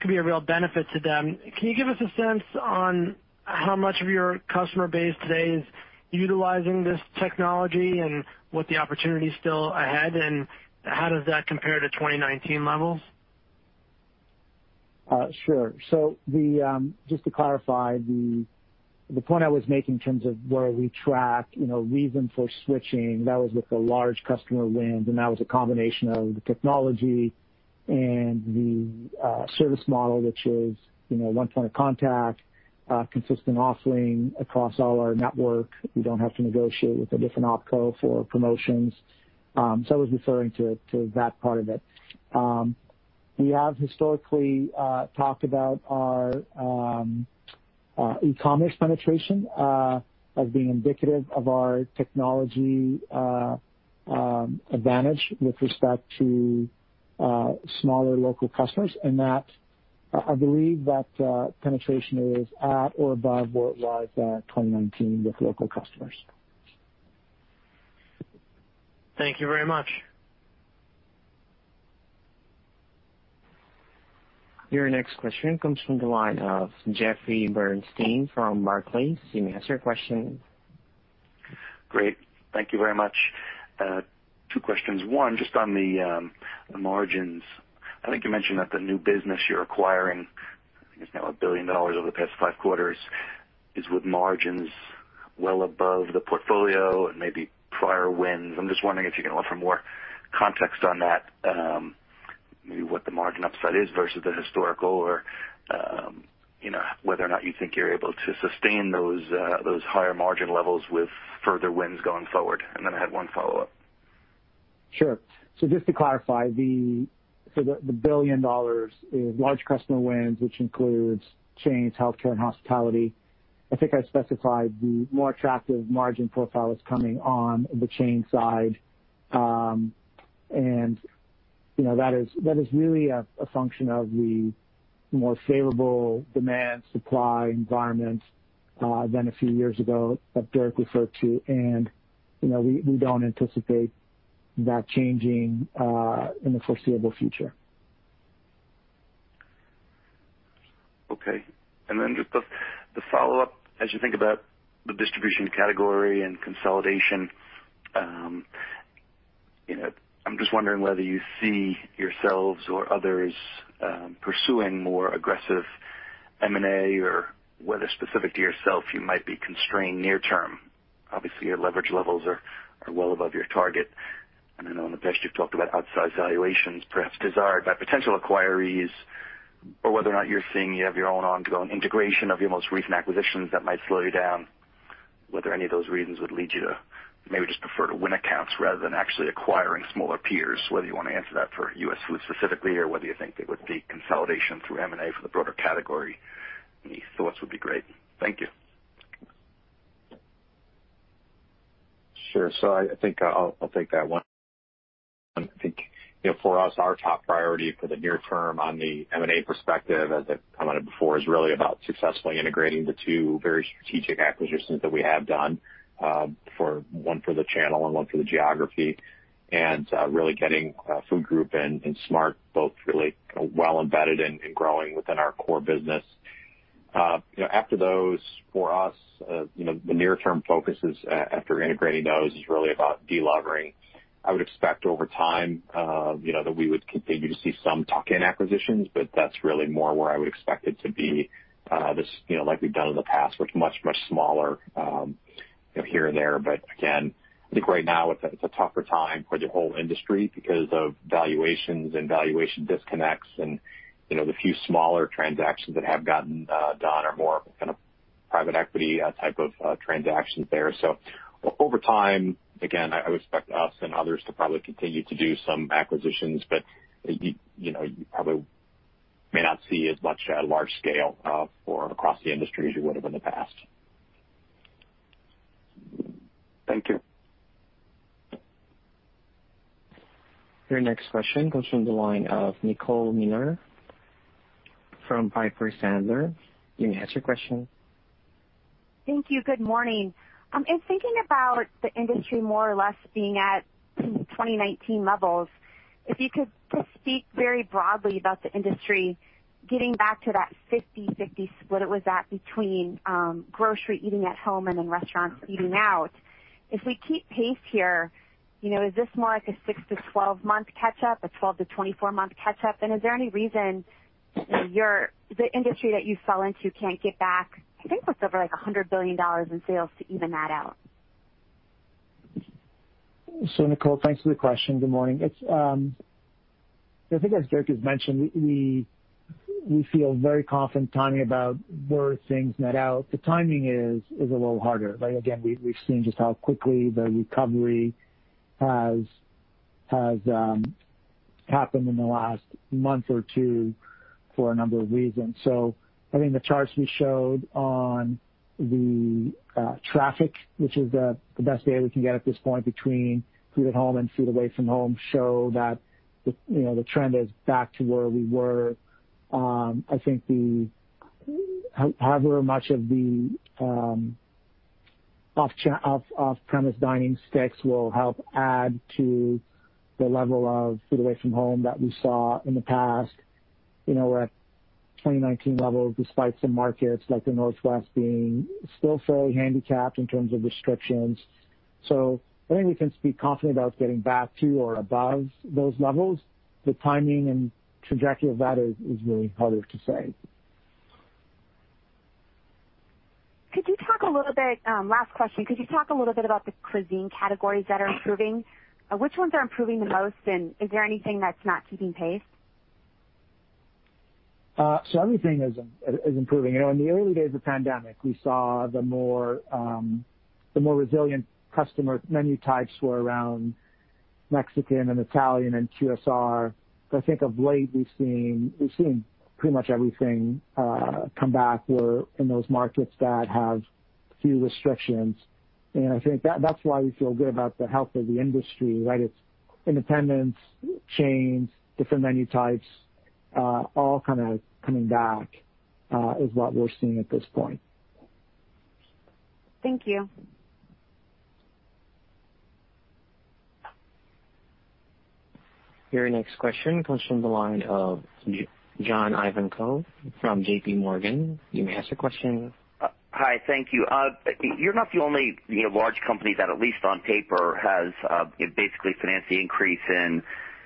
could be a real benefit to them. Can you give us a sense on how much of your customer base today is utilizing this technology and what the opportunity is still ahead, and how does that compare to 2019 levels? Sure. Just to clarify the point I was making in terms of where we track reason for switching, that was with the large customer wins, and that was a combination of the technology and the service model, which is one point of contact, consistent offering across all our network. We don't have to negotiate with a different OpCo for promotions. I was referring to that part of it. We have historically talked about our e-commerce penetration as being indicative of our technology advantage with respect to smaller local customers, and I believe that penetration is at or above where it was at 2019 with local customers. Thank you very much. Your next question comes from the line of Jeffrey Bernstein from Barclays. You may ask your question. Great. Thank you very much. Two questions. One, just on the margins. I think you mentioned that the new business you're acquiring, I think it's now $1 billion over the past five quarters, is with margins well above the portfolio and maybe prior wins. I'm just wondering if you can offer more context on that. Maybe what the margin upside is versus the historical or whether or not you think you're able to sustain those higher margin levels with further wins going forward. I had one follow-up. Sure. Just to clarify, the $1 billion is large customer wins, which includes chains, healthcare, and hospitality. I think I specified the more attractive margin profile is coming on the chain side. That is really a function of the more favorable demand-supply environment than a few years ago that Dirk referred to. We don't anticipate that changing in the foreseeable future. Okay. Just the follow-up, as you think about the distribution category and consolidation, I'm just wondering whether you see yourselves or others pursuing more aggressive M&A or whether specific to yourself, you might be constrained near term. Obviously, your leverage levels are well above your target. I know in the past you've talked about outsized valuations perhaps desired by potential acquirees or whether or not you have your own ongoing integration of your most recent acquisitions that might slow you down. Whether any of those reasons would lead you to maybe just prefer to win accounts rather than actually acquiring smaller peers. Whether you want to answer that for US Foods specifically, or whether you think it would be consolidation through M&A for the broader category. Any thoughts would be great. Thank you. Sure. I think I'll take that one. I think for us, our top priority for the near term on the M&A perspective, as I've commented before, is really about successfully integrating the two very strategic acquisitions that we have done. One for the channel and one for the geography, and really getting Food Group and Smart both really well embedded and growing within our core business. After those, for us, the near term focus after integrating those is really about de-levering. I would expect over time that we would continue to see some tuck-in acquisitions, but that's really more where I would expect it to be like we've done in the past, where it's much, much smaller here and there. Again, I think right now it's a tougher time for the whole industry because of valuations and valuation disconnects. The few smaller transactions that have gotten done are more private equity type of transactions there. Over time, again, I would expect us and others to probably continue to do some acquisitions, but you probably may not see as much large scale or across the industry as you would have in the past. Thank you. Your next question comes from the line of Nicole Miller from Piper Sandler. You may ask your question. Thank you. Good morning. In thinking about the industry more or less being at 2019 levels, if you could just speak very broadly about the industry getting back to that 50/50 split it was at between grocery, eating at home, and then restaurants eating out. If we keep pace here, is this more like a six to 12-month catch-up, a 12 to 24-month catch-up? Is there any reason the industry that you sell into can't get back, I think it was over $100 billion in sales to even that out? Nicole, thanks for the question. Good morning. I think as Dirk has mentioned, we feel very confident talking about where things net out. The timing is a little harder. We've seen just how quickly the recovery has happened in the last month or two for a number of reasons. I think the charts we showed on the traffic, which is the best data we can get at this point between food at home and food away from home, show that the trend is back to where we were. I think however much of the off-premise dining sticks will help add to the level of food away from home that we saw in the past. We're at 2019 levels, despite some markets like the Northwest being still fairly handicapped in terms of restrictions. I think we can speak confidently about getting back to or above those levels. The timing and trajectory of that is really harder to say. Could you talk a little bit about the cuisine categories that are improving? Which ones are improving the most, and is there anything that's not keeping pace? Everything is improving. In the early days of the pandemic, we saw the more resilient customer menu types were around Mexican and Italian and QSR. I think of late, we've seen pretty much everything come back in those markets that have few restrictions. I think that's why we feel good about the health of the industry, right? It's independents, chains, different menu types, all coming back is what we're seeing at this point. Thank you. Your next question comes from the line of John Ivankoe from JPMorgan. You may ask your question. Hi, thank you. You're not the only large company that, at least on paper, has basically financed the increase in receivables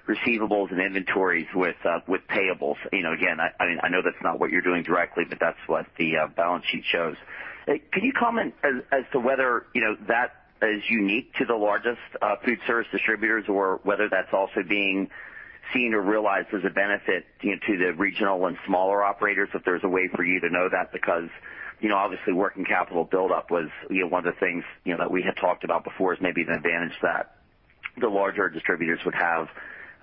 and inventories with payables. Again, I know that's not what you're doing directly, but that's what the balance sheet shows. Could you comment as to whether that is unique to the largest foodservice distributors or whether that's also being seen or realized as a benefit to the regional and smaller operators, if there's a way for you to know that, because obviously working capital buildup was one of the things that we had talked about before as maybe an advantage that the larger distributors would have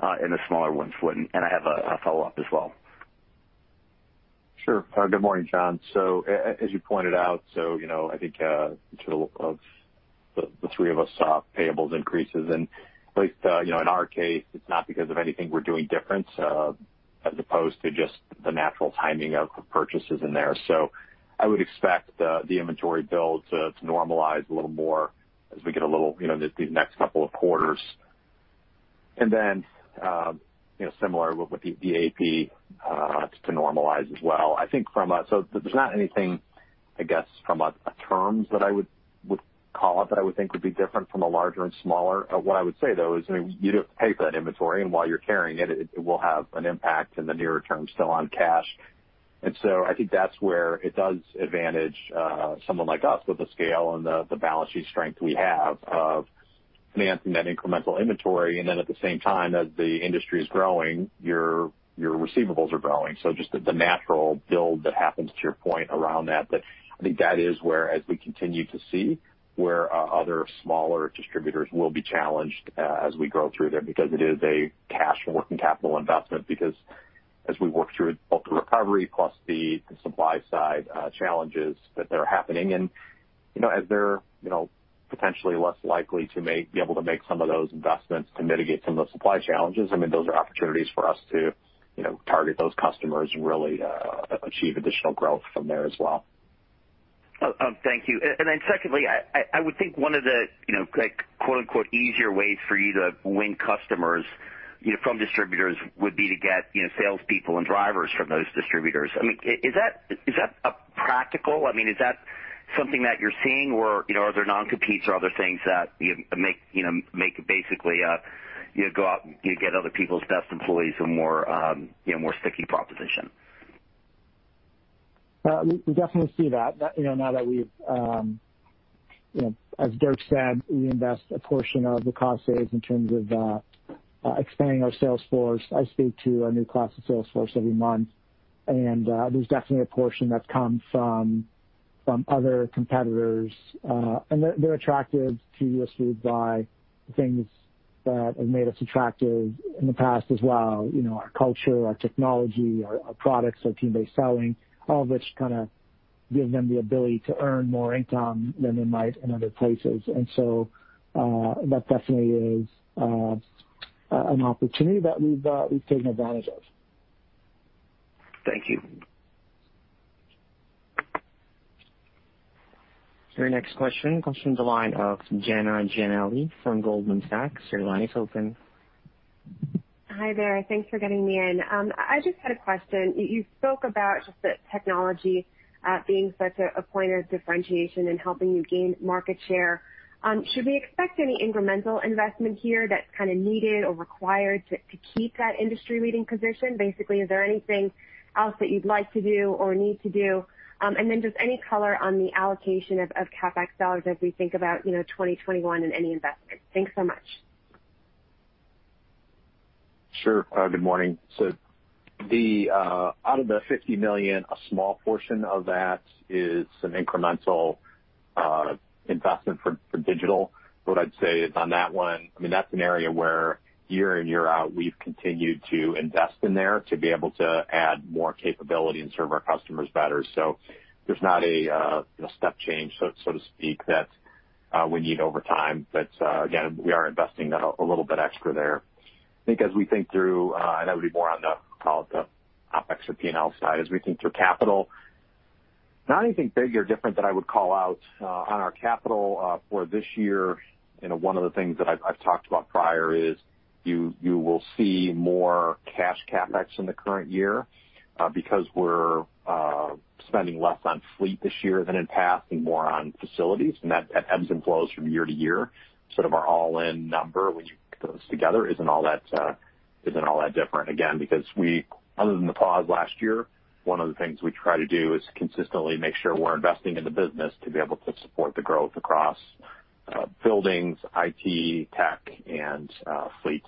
and the smaller ones wouldn't. I have a follow-up as well. Good morning, John. As you pointed out, I think two of the three of us saw payables increases and at least in our case, it's not because of anything we're doing different as opposed to just the natural timing of purchases in there. I would expect the inventory build to normalize a little more as we get these next couple of quarters. Similar with the AP to normalize as well. There's not anything, I guess, from a terms that I would call it that I would think would be different from a larger and smaller. What I would say, though, is you have to pay for that inventory, and while you're carrying it will have an impact in the nearer term still on cash. I think that's where it does advantage someone like us with the scale and the balance sheet strength we have of financing that incremental inventory. At the same time as the industry is growing, your receivables are growing. Just the natural build that happens to your point around that. I think that is where, as we continue to see, where other smaller distributors will be challenged as we go through there because it is a cash working capital investment because as we work through both the recovery plus the supply side challenges that are happening and as they're potentially less likely to be able to make some of those investments to mitigate some of the supply challenges. Those are opportunities for us to target those customers and really achieve additional growth from there as well. Thank you. Secondly, I would think one of the "easier ways" for you to win customers from distributors would be to get salespeople and drivers from those distributors. Is that practical? Is that something that you're seeing, or are there non-competes or other things that make basically you go out and you get other people's best employees a more sticky proposition? We definitely see that. As Dirk said, we invest a portion of the cost saves in terms of expanding our sales force. I speak to a new class of sales force every month. There's definitely a portion that's come from other competitors. They're attracted to US Foods by things that have made us attractive in the past as well. Our culture, our technology, our products, our team-based selling, all of which kind of give them the ability to earn more income than they might in other places. That definitely is an opportunity that we've taken advantage of. Thank you. Your next question comes from the line of Jenna Giannelli from Goldman Sachs. Your line is open. Hi there. Thanks for getting me in. I just had a question. You spoke about just the technology being such a point of differentiation in helping you gain market share. Should we expect any incremental investment here that's kind of needed or required to keep that industry-leading position? Basically, is there anything else that you'd like to do or need to do? Then just any color on the allocation of CapEx dollars as we think about 2021 and any investments. Thanks so much. Sure. Good morning. Out of the $50 million, a small portion of that is an incremental investment for digital. What I'd say is on that one, that's an area where year in, year out, we've continued to invest in there to be able to add more capability and serve our customers better. There's not a step change, so to speak, that we need over time. Again, we are investing a little bit extra there. I think as we think through, and that would be more on the OpEx and P&L side, as we think through capital, not anything big or different that I would call out on our capital for this year. One of the things that I've talked about prior is you will see more cash CapEx in the current year, because we're spending less on fleet this year than in past and more on facilities. That ebbs and flows from year to year, sort of our all-in number when you put those together isn't all that different. Again, because other than the pause last year, one of the things we try to do is consistently make sure we're investing in the business to be able to support the growth across buildings, IT, tech, and fleet.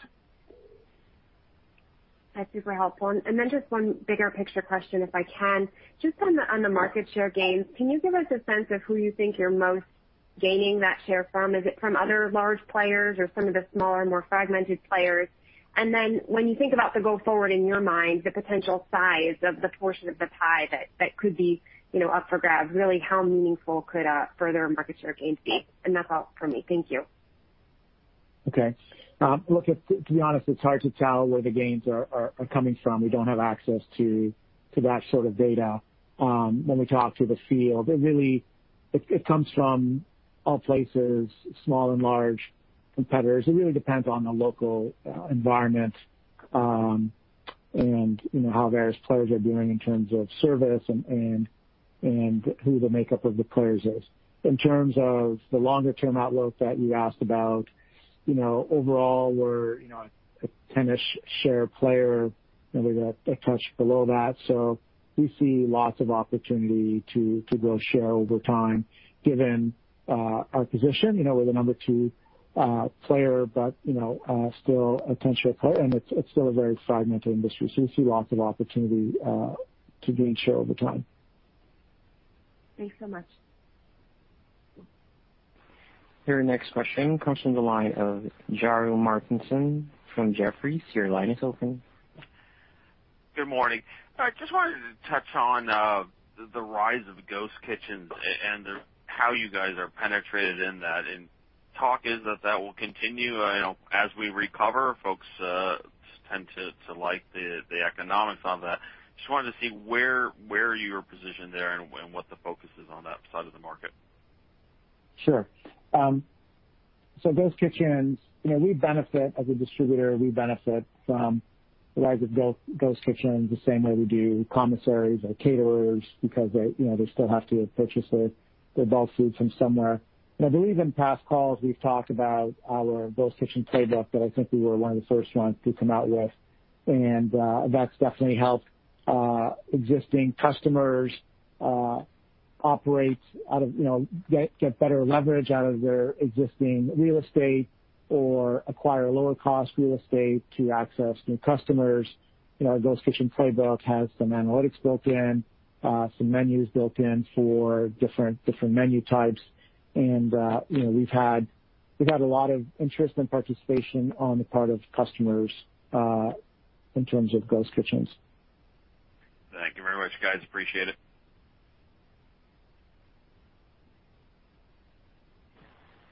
That's super helpful. Then just one bigger picture question, if I can. Just on the market share gains, can you give us a sense of who you think you're most gaining that share from? Is it from other large players or some of the smaller, more fragmented players? Then when you think about the go forward in your mind, the potential size of the portion of the pie that could be up for grabs, really how meaningful could further market share gains be? That's all for me. Thank you. Okay. Look, to be honest, it's hard to tell where the gains are coming from. We don't have access to that sort of data. When we talk to the field, it comes from all places, small and large competitors. It really depends on the local environment, and how various players are doing in terms of service and who the makeup of the players is. In terms of the longer-term outlook that you asked about, overall, we're a 10-ish share player. Maybe a touch below that. We see lots of opportunity to grow share over time given our position. We're the number two player, but still a 10 share player. It's still a very fragmented industry, we see lots of opportunity to gain share over time. Thanks so much. Your next question comes from the line of Karru Martinson from Jefferies. Your line is open. Good morning. I just wanted to touch on the rise of ghost kitchens and how you guys are penetrated in that. Talk is that that will continue as we recover. Folks tend to like the economics on that. Just wanted to see where you're positioned there and what the focus is on that side of the market. Sure. Ghost kitchens, as a distributor, we benefit from the rise of ghost kitchens the same way we do commissaries or caterers because they still have to purchase their bulk food from somewhere. I believe in past calls, we've talked about our ghost kitchen playbook that I think we were one of the first ones to come out with. That's definitely helped existing customers operate out of, get better leverage out of their existing real estate or acquire lower cost real estate to access new customers. Our ghost kitchen playbook has some analytics built in, some menus built in for different menu types. We've had a lot of interest and participation on the part of customers in terms of ghost kitchens. Thank you very much, guys. Appreciate it.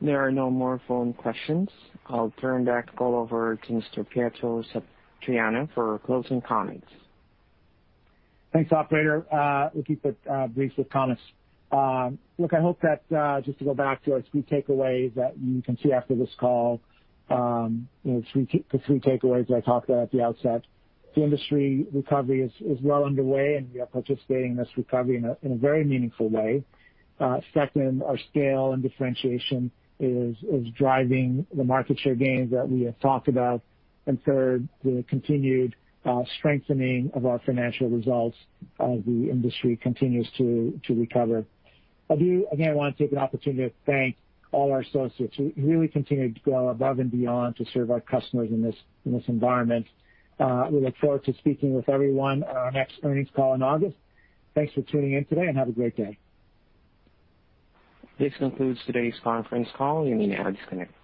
There are no more phone questions. I'll turn back the call over to Mr. Pietro Satriano for closing comments. Thanks, operator. We'll keep it brief with comments. Look, I hope that, just to go back to our three takeaways that you can see after this call, the three takeaways that I talked about at the outset. The industry recovery is well underway, and we are participating in this recovery in a very meaningful way. Second, our scale and differentiation is driving the market share gains that we have talked about. Third, the continued strengthening of our financial results as the industry continues to recover. I do, again, want to take an opportunity to thank all our associates who really continue to go above and beyond to serve our customers in this environment. We look forward to speaking with everyone at our next earnings call in August. Thanks for tuning in today, and have a great day. This concludes today's conference call. You may disconnect.